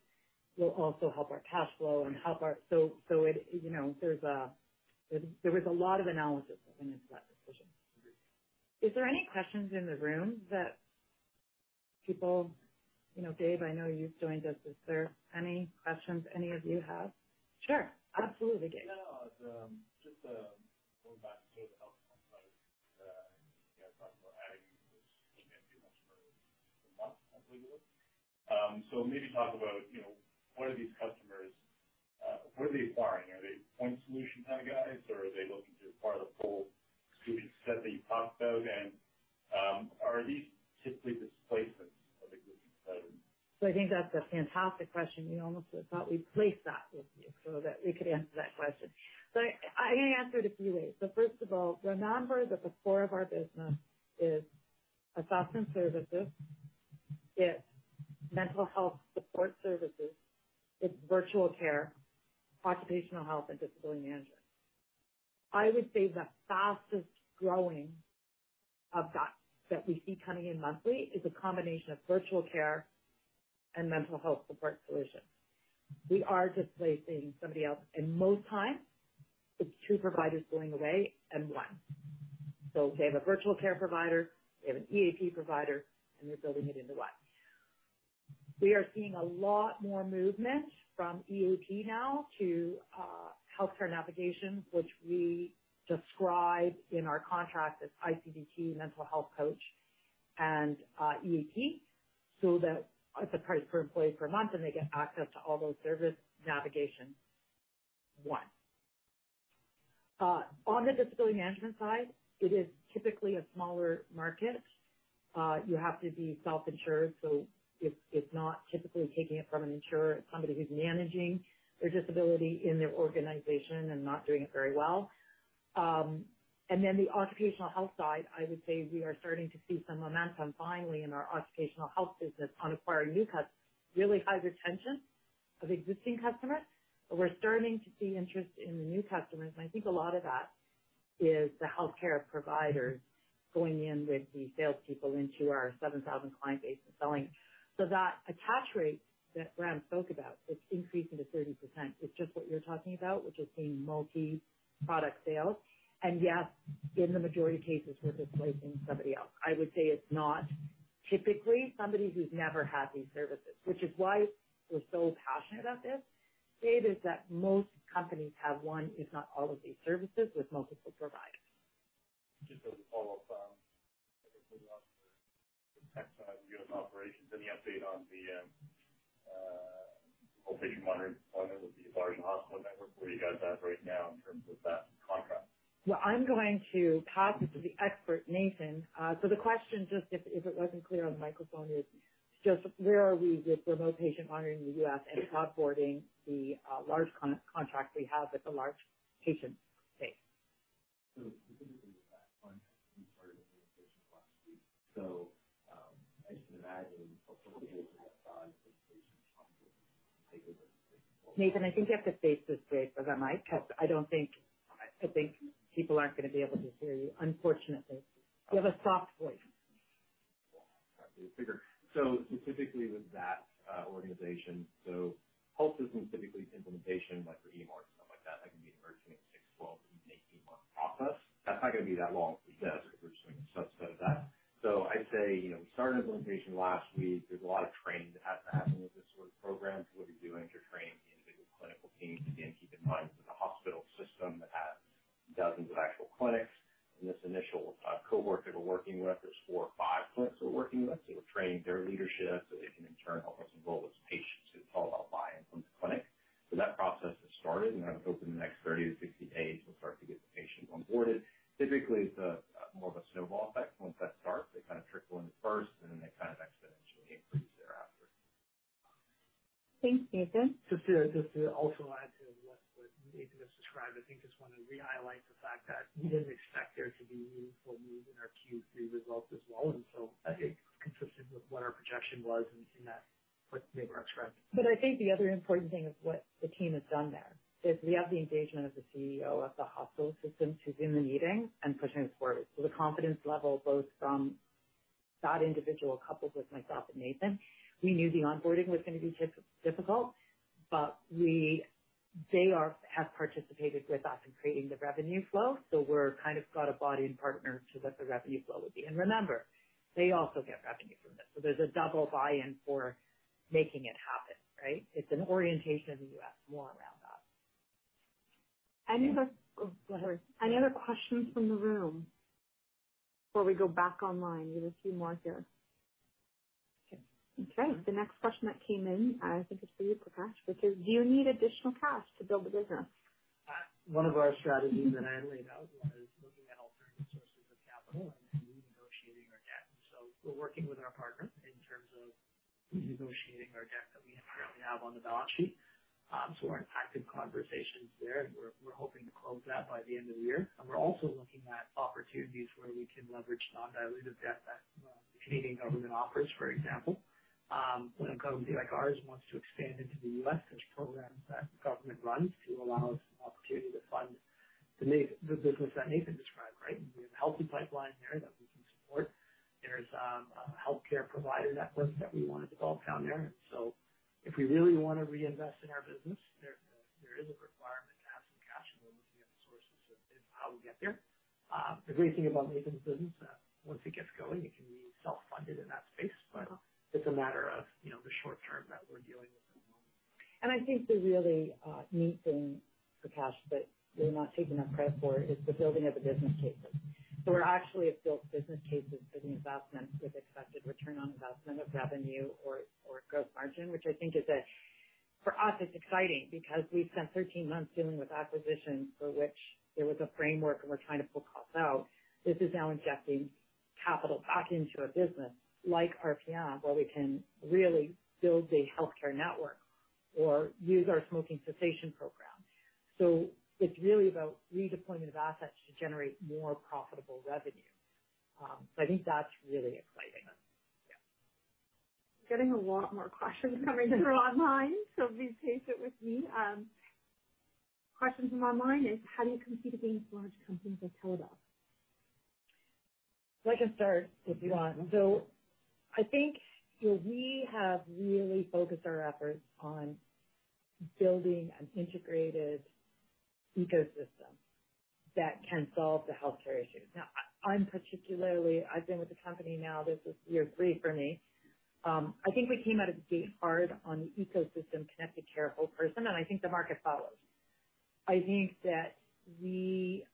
will also help our cash flow and help our... So it, you know, there's a lot of analysis that went into that decision. Agreed. Is there any questions in the room that people... You know, Dave, I know you've joined us. Is there any questions any of you have? Sure. Absolutely, Dave. No, no. Just going back to the health side, you guys talked about adding new customers per month, I believe it was. So maybe talk about, you know, what are these customers, what are they buying? Are they point solution kind of guys, or are they looking to be part of the full solution set that you talked about? And are these typically displacements of existing customers? So I think that's a fantastic question. We almost had thought we'd place that with you so that we could answer that question. So I can answer it a few ways. So first of all, the number at the core of our business is assessment services, it's mental health support services, it's virtual care, occupational health, and disability management. I would say the fastest growing of that, that we see coming in monthly is a combination of virtual care and mental health support solutions. We are displacing somebody else, and most times it's two providers going away and one. So they have a virtual care provider, they have an EAP provider, and we're building it into one. We are seeing a lot more movement from EAP now to healthcare navigation, which we describe in our contract as iCBT, mental health coach, and EAP, so that it's a price per employee per month, and they get access to all those service navigation. On the disability management side, it is typically a smaller market. You have to be self-insured, so it's not typically taking it from an insurer. It's somebody who's managing their disability in their organization and not doing it very well. And then the occupational health side, I would say we are starting to see some momentum finally in our occupational health business on acquiring new customers, really high retention of existing customers. But we're starting to see interest in the new customers, and I think a lot of that is the healthcare providers going in with the salespeople into our 7,000 client base and selling. So that attach rate that Graham spoke about, it's increasing to 30%. It's just what you're talking about, which is seeing multi-product sales. And yes, in the majority of cases, we're displacing somebody else. I would say it's not typically somebody who's never had these services, which is why we're so passionate about this, Dave, is that most companies have one, if not all, of these services with multiple providers. Just as a follow-up, U.S. operations, any update on the, hopefully, you monitor with the large hospital network where you guys are at right now in terms of that contract? Well, I'm going to pass this to the expert, Nathan. So the question, just if it wasn't clear on the microphone, is just where are we with remote patient monitoring in the U.S. and onboarding the large contract we have with the large patient base? So specifically with that client, we started implementation last week. So, I just imagine Nathan, I think you have to face this way because I might have-- I don't think... I think people aren't gonna be able to hear you, unfortunately. You have a soft voice. So specifically with that organization, so whole system, typically implementation, like for EMR and stuff like that, that can be anywhere between six, 12, even 18-month process. That's not gonna be that long for this, because we're just doing a subset of that. So I'd say, you know, we started implementation last week. There's a lot of training that has to happen with this sort of program. So what you're doing is you're training the individual clinical teams. Again, keep in mind, this is a hospital system that has dozens of actual clinics. In this initial cohort that we're working with, there's four or five clinics we're working with. So we're training their leadership so they can in turn help us enroll those patients. It's all about buy-in from the clinic. So that process has started, and I would hope in the next 30 days-60 days, we'll start to get the patients onboarded. Typically, it's a more of a snowball effect. Once that starts, they kind of trickle in first, and then they kind of exponentially increase thereafter. Thanks, Nathan. Just to also add to what Nathan just described, I think just want to re-highlight the fact that we didn't expect there to be meaningful move in our Q3 results as well. And so I think consistent with what our projection was in that, what Nathan expressed. But I think the other important thing is what the team has done there, is we have the engagement of the CEO of the hospital system. She's in the meeting and pushing us forward. So the confidence level, both from that individual, coupled with myself and Nathan, we knew the onboarding was gonna be difficult, but they have participated with us in creating the revenue flow. So we're kind of got a body and partner so that the revenue flow will be... And remember, they also get revenue from this, so there's a double buy-in for making it happen, right? It's an orientation in the U.S. more around that. Any other... Oh, go ahead. Any other questions from the room before we go back online? We have a few more here. Okay. Okay, the next question that came in, I think it's for you, Prakash, which is: Do you need additional cash to build the business? One of our strategies that I laid out was looking at alternative sources of capital and renegotiating our debt. So we're working with our partner in terms of renegotiating our debt that we currently have on the balance sheet. So we're in active conversations there, and we're, we're hoping to close that by the end of the year. And we're also looking at opportunities where we can leverage non-dilutive debt that the Canadian government offers, for example. When a company like ours wants to expand into the U.S., there's programs that the government runs to allow us an opportunity to fund the business that Nathan described, right? We have a healthy pipeline there that we can support. There's a healthcare provider network that we want to develop down there. If we really want to reinvest in our business, there is a requirement to have some cash, and we're looking at sources of how we get there. The great thing about Nathan's business, once it gets going, it can be self-funded in that space, but it's a matter of, you know, the short term that we're dealing with at the moment. I think the really neat thing, Prakash, that you're not taking enough credit for, is the building of the business cases. So we're actually have built business cases for the investments with expected return on investment of revenue or, or gross margin, which I think is a for us, it's exciting because we've spent 13 months dealing with acquisitions for which there was a framework, and we're trying to pull costs out. This is now injecting capital back into a business like RPM, where we can really build a healthcare network or use our smoking cessation program. So it's really about redeployment of assets to generate more profitable revenue. So I think that's really exciting. Yeah. Getting a lot more questions coming through online, so please take it with me. Question from online is: How do you compete against large companies like Teladoc? Well, I can start, if you want. I think where we have really focused our efforts on building an integrated ecosystem that can solve the healthcare issue. Now, I'm particularly-- I've been with the company now, this is year three for me. I think we came out of the gate hard on the ecosystem, connected care, whole person, and I think the market follows. I think that we...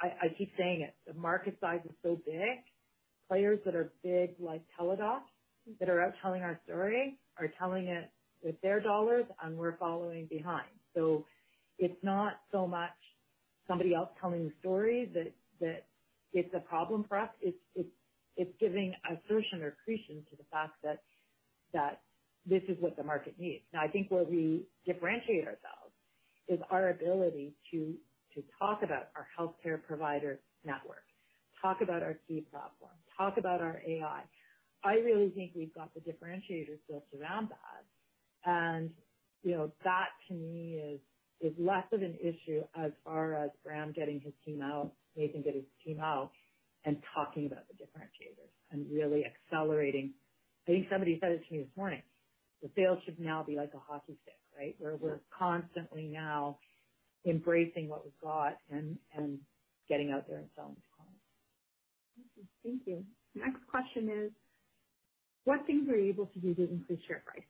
I keep saying it, the market size is so big, players that are big, like Teladoc, that are out telling our story, are telling it with their dollars, and we're following behind. It's not so much somebody else telling the story that it's a problem for us. It's giving assertion or accretion to the fact that this is what the market needs. Now, I think where we differentiate ourselves is our ability to, to talk about our healthcare provider network, talk about our key platform, talk about our AI. I really think we've got the differentiators to surround that. And, you know, that to me is, is less of an issue as far as Graham getting his team out, Nathan getting his team out, and talking about the differentiators and really accelerating. I think somebody said it to me this morning, the sales should now be like a hockey stick, right? Where we're constantly now embracing what we've got and, and getting out there and selling to clients. Thank you. Next question is: What things were you able to do to increase share price?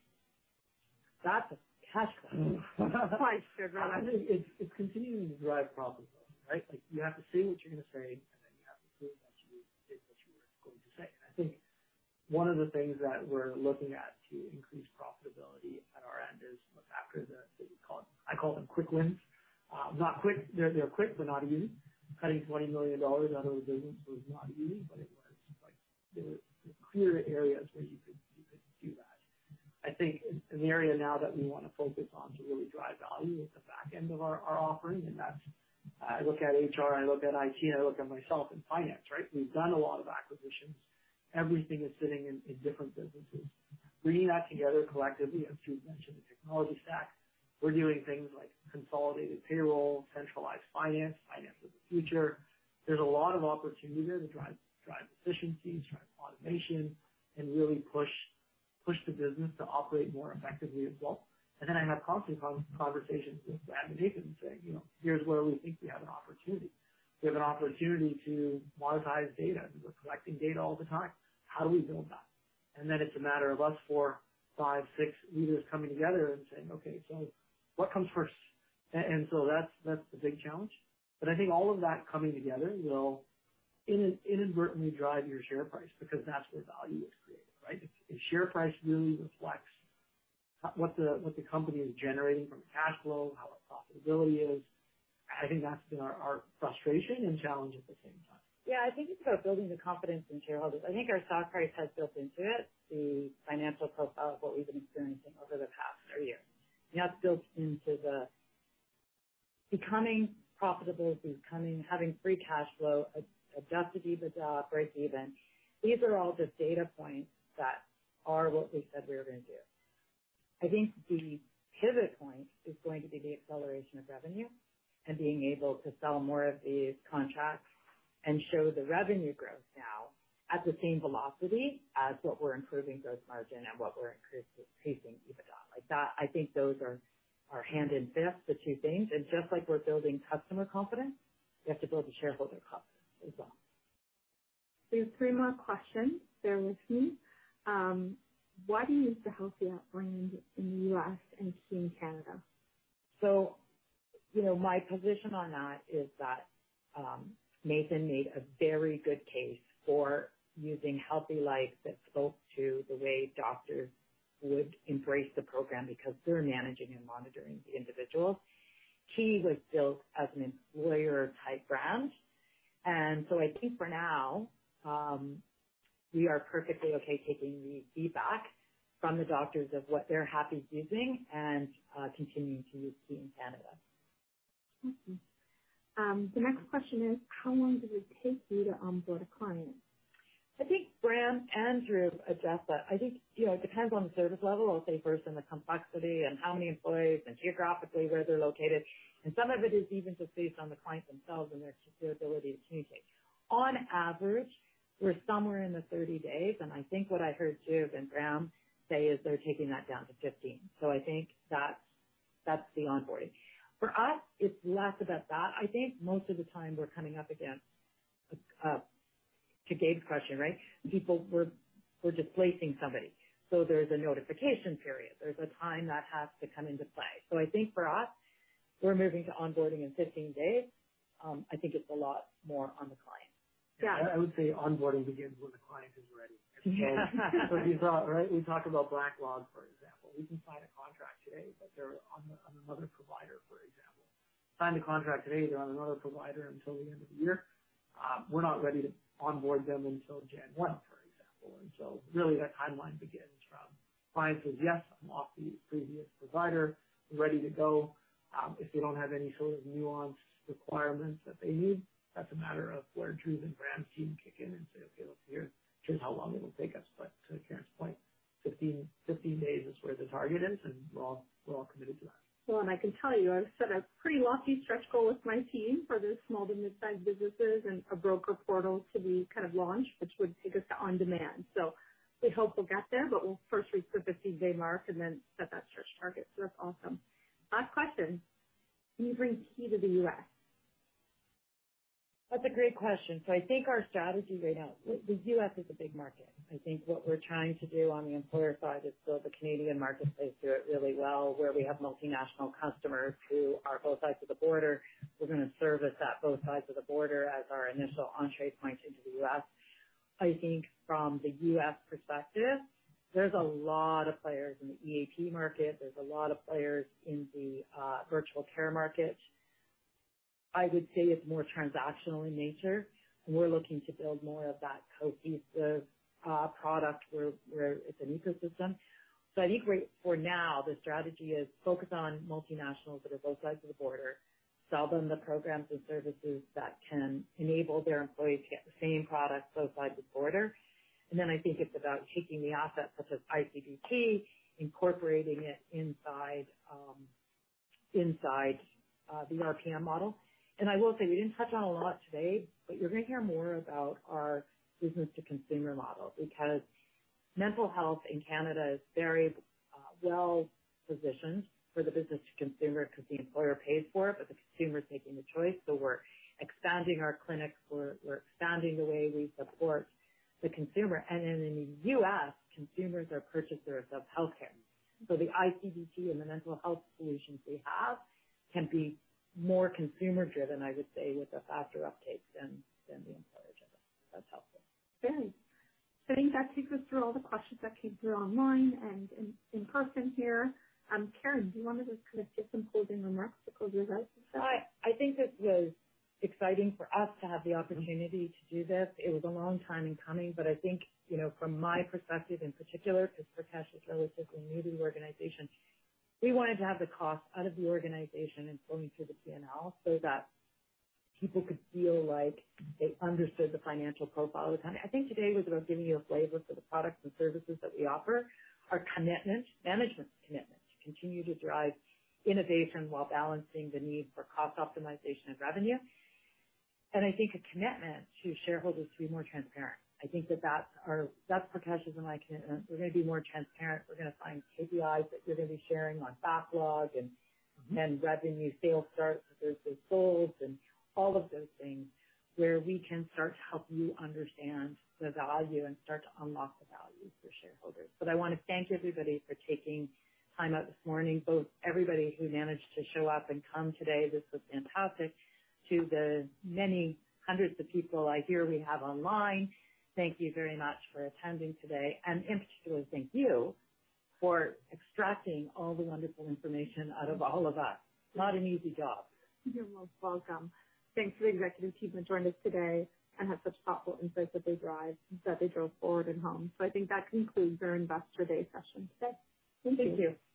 That's a tough question. Price, sure, God. It's continuing to drive profitably, right? Like, you have to say what you're going to say, and then you have to prove it.... I think one of the things that we're looking at to increase profitability at our end is after the, they call it, I call them quick wins. Not quick—they're quick, but not easy. Cutting 20 million dollars out of the business was not easy, but it was like there were clear areas where you could do that. I think in the area now that we wanna focus on to really drive value at the back end of our offering, and that's... I look at HR, I look at IT, I look at myself in finance, right? We've done a lot of acquisitions. Everything is sitting in different businesses. Bringing that together collectively, as Dhruv mentioned, the technology stack, we're doing things like consolidated payroll, centralized finance, finance of the future. There's a lot of opportunity there to drive efficiencies, drive automation, and really push the business to operate more effectively as well. And then I have constant conversations with Brad and Nathan saying: You know, "Here's where we think we have an opportunity. We have an opportunity to monetize data. We're collecting data all the time. How do we build that?" And then it's a matter of us four, five, six leaders coming together and saying: "Okay, so what comes first?" And so that's the big challenge. But I think all of that coming together will inadvertently drive your share price, because that's where value is created, right? The share price really reflects what the company is generating from a cash flow, how our profitability is. I think that's been our frustration and challenge at the same time. Yeah, I think it's about building the confidence in shareholders. I think our stock price has built into it, the financial profile of what we've been experiencing over the past three years. That's built into the becoming profitable, becoming, having free cash flow, Adjusted EBITDA, break even. These are all the data points that are what we said we were gonna do. I think the pivot point is going to be the acceleration of revenue, and being able to sell more of these contracts, and show the revenue growth now at the same velocity as what we're improving gross margin and what we're increasing, increasing EBITDA. Like, that, I think those are, are hand in fist, the two things. Just like we're building customer confidence, we have to build the shareholder confidence as well. There are three more questions there with me. Why do you use the Healthy Life app brand in the U.S. and Kii in Canada? So, you know, my position on that is that Nathan made a very good case for using Healthy Life that spoke to the way doctors would embrace the program because they're managing and monitoring the individual. Kii was built as an employer-type brand, and so I think for now, we are perfectly okay taking the feedback from the doctors of what they're happy using and continuing to use Kii in Canada. Okay. The next question is: How long does it take you to onboard a client? I think Bram and Dhruv address that. I think, you know, it depends on the service level, I'll say first, and the complexity, and how many employees, and geographically where they're located. And some of it is even just based on the clients themselves and their, their ability to communicate. On average, we're somewhere in the 30 days, and I think what I heard Dhruv and Bram say is they're taking that down to 15. So I think that's, that's the onboarding. For us, it's less about that. I think most of the time we're coming up against, to Gabe's question, right? People... We're, we're displacing somebody, so there's a notification period. There's a time that has to come into play. So I think for us, we're moving to onboarding in 15 days. I think it's a lot more on the client. Yeah, I would say onboarding begins when the client is ready. We talked about backlog, for example. We can sign a contract today, but they're on another provider, for example. Sign the contract today, they're on another provider until the end of the year. We're not ready to onboard them until January 1, for example. Really, that timeline begins from client says: "Yes, I'm off the previous provider, ready to go." If they don't have any sort of nuanced requirements that they need, that's a matter of where Dhruv and Bram's team kick in and say, "Okay, look, here's just how long it'll take us." To Karen's point, 15 days is where the target is, and we're all committed to that. Well, and I can tell you, I've set a pretty lofty stretch goal with my team for the small to mid-sized businesses, and a broker portal to be kind of launched, which would take us to on-demand. So we hope we'll get there, but we'll firstly put the 15-day mark and then set that stretch target. So that's awesome. Last question: Do you bring Kii to the U.S.? That's a great question. So I think our strategy right now, the U.S. is a big market. I think what we're trying to do on the employer side is build a Canadian marketplace, do it really well, where we have multinational customers who are both sides of the border. We're gonna service that both sides of the border as our initial entry point into the U.S. I think from the U.S. perspective, there's a lot of players in the EAP market. There's a lot of players in the virtual care market. I would say it's more transactional in nature, and we're looking to build more of that cohesive product, where it's an ecosystem. I think we're, for now, the strategy is focus on multinationals that are both sides of the border, sell them the programs and services that can enable their employees to get the same products both sides of the border. I think it's about taking the assets, such as iCBT, incorporating it inside the RPM model. I will say, we didn't touch on it a lot today, but you're gonna hear more about our business to consumer model, because mental health in Canada is very, well positioned for the business to consumer, because the employer pays for it, but the consumer's making the choice. We're expanding our clinics, we're expanding the way we support the consumer. In the U.S., consumers are purchasers of healthcare. So the iCBT and the mental health solutions we have can be more consumer-driven, I would say, with a faster uptake than the employer-driven. That's helpful. Great. So I think that takes us through all the questions that came through online and in person here. Karen, do you want to just kind of give some closing remarks to close us out as well? I think it was exciting for us to have the opportunity to do this. It was a long time in coming, but I think, you know, from my perspective in particular, because Prakash is relatively new to the organization, we wanted to have the cost out of the organization and flowing through the PNL so that people could feel like they understood the financial profile of the company. I think today was about giving you a flavor for the products and services that we offer, our commitment, management's commitment to continue to drive innovation while balancing the need for cost optimization and revenue. I think a commitment to shareholders to be more transparent. I think that that's our... That's Prakash's and my commitment. We're gonna be more transparent. We're gonna find KPIs that we're gonna be sharing, like backlog and then revenue, sales starts versus sales, and all of those things where we can start to help you understand the value and start to unlock the value for shareholders. But I wanna thank everybody for taking time out this morning, both everybody who managed to show up and come today—this was fantastic—to the many hundreds of people I hear we have online. Thank you very much for attending today. In particular, thank you for extracting all the wonderful information out of all of us. Not an easy job. You're most welcome. Thanks to the executive team for joining us today and have such thoughtful insights that they drive, that they drove forward and home. So I think that concludes our Investor Day session today. Thank you. Thank you.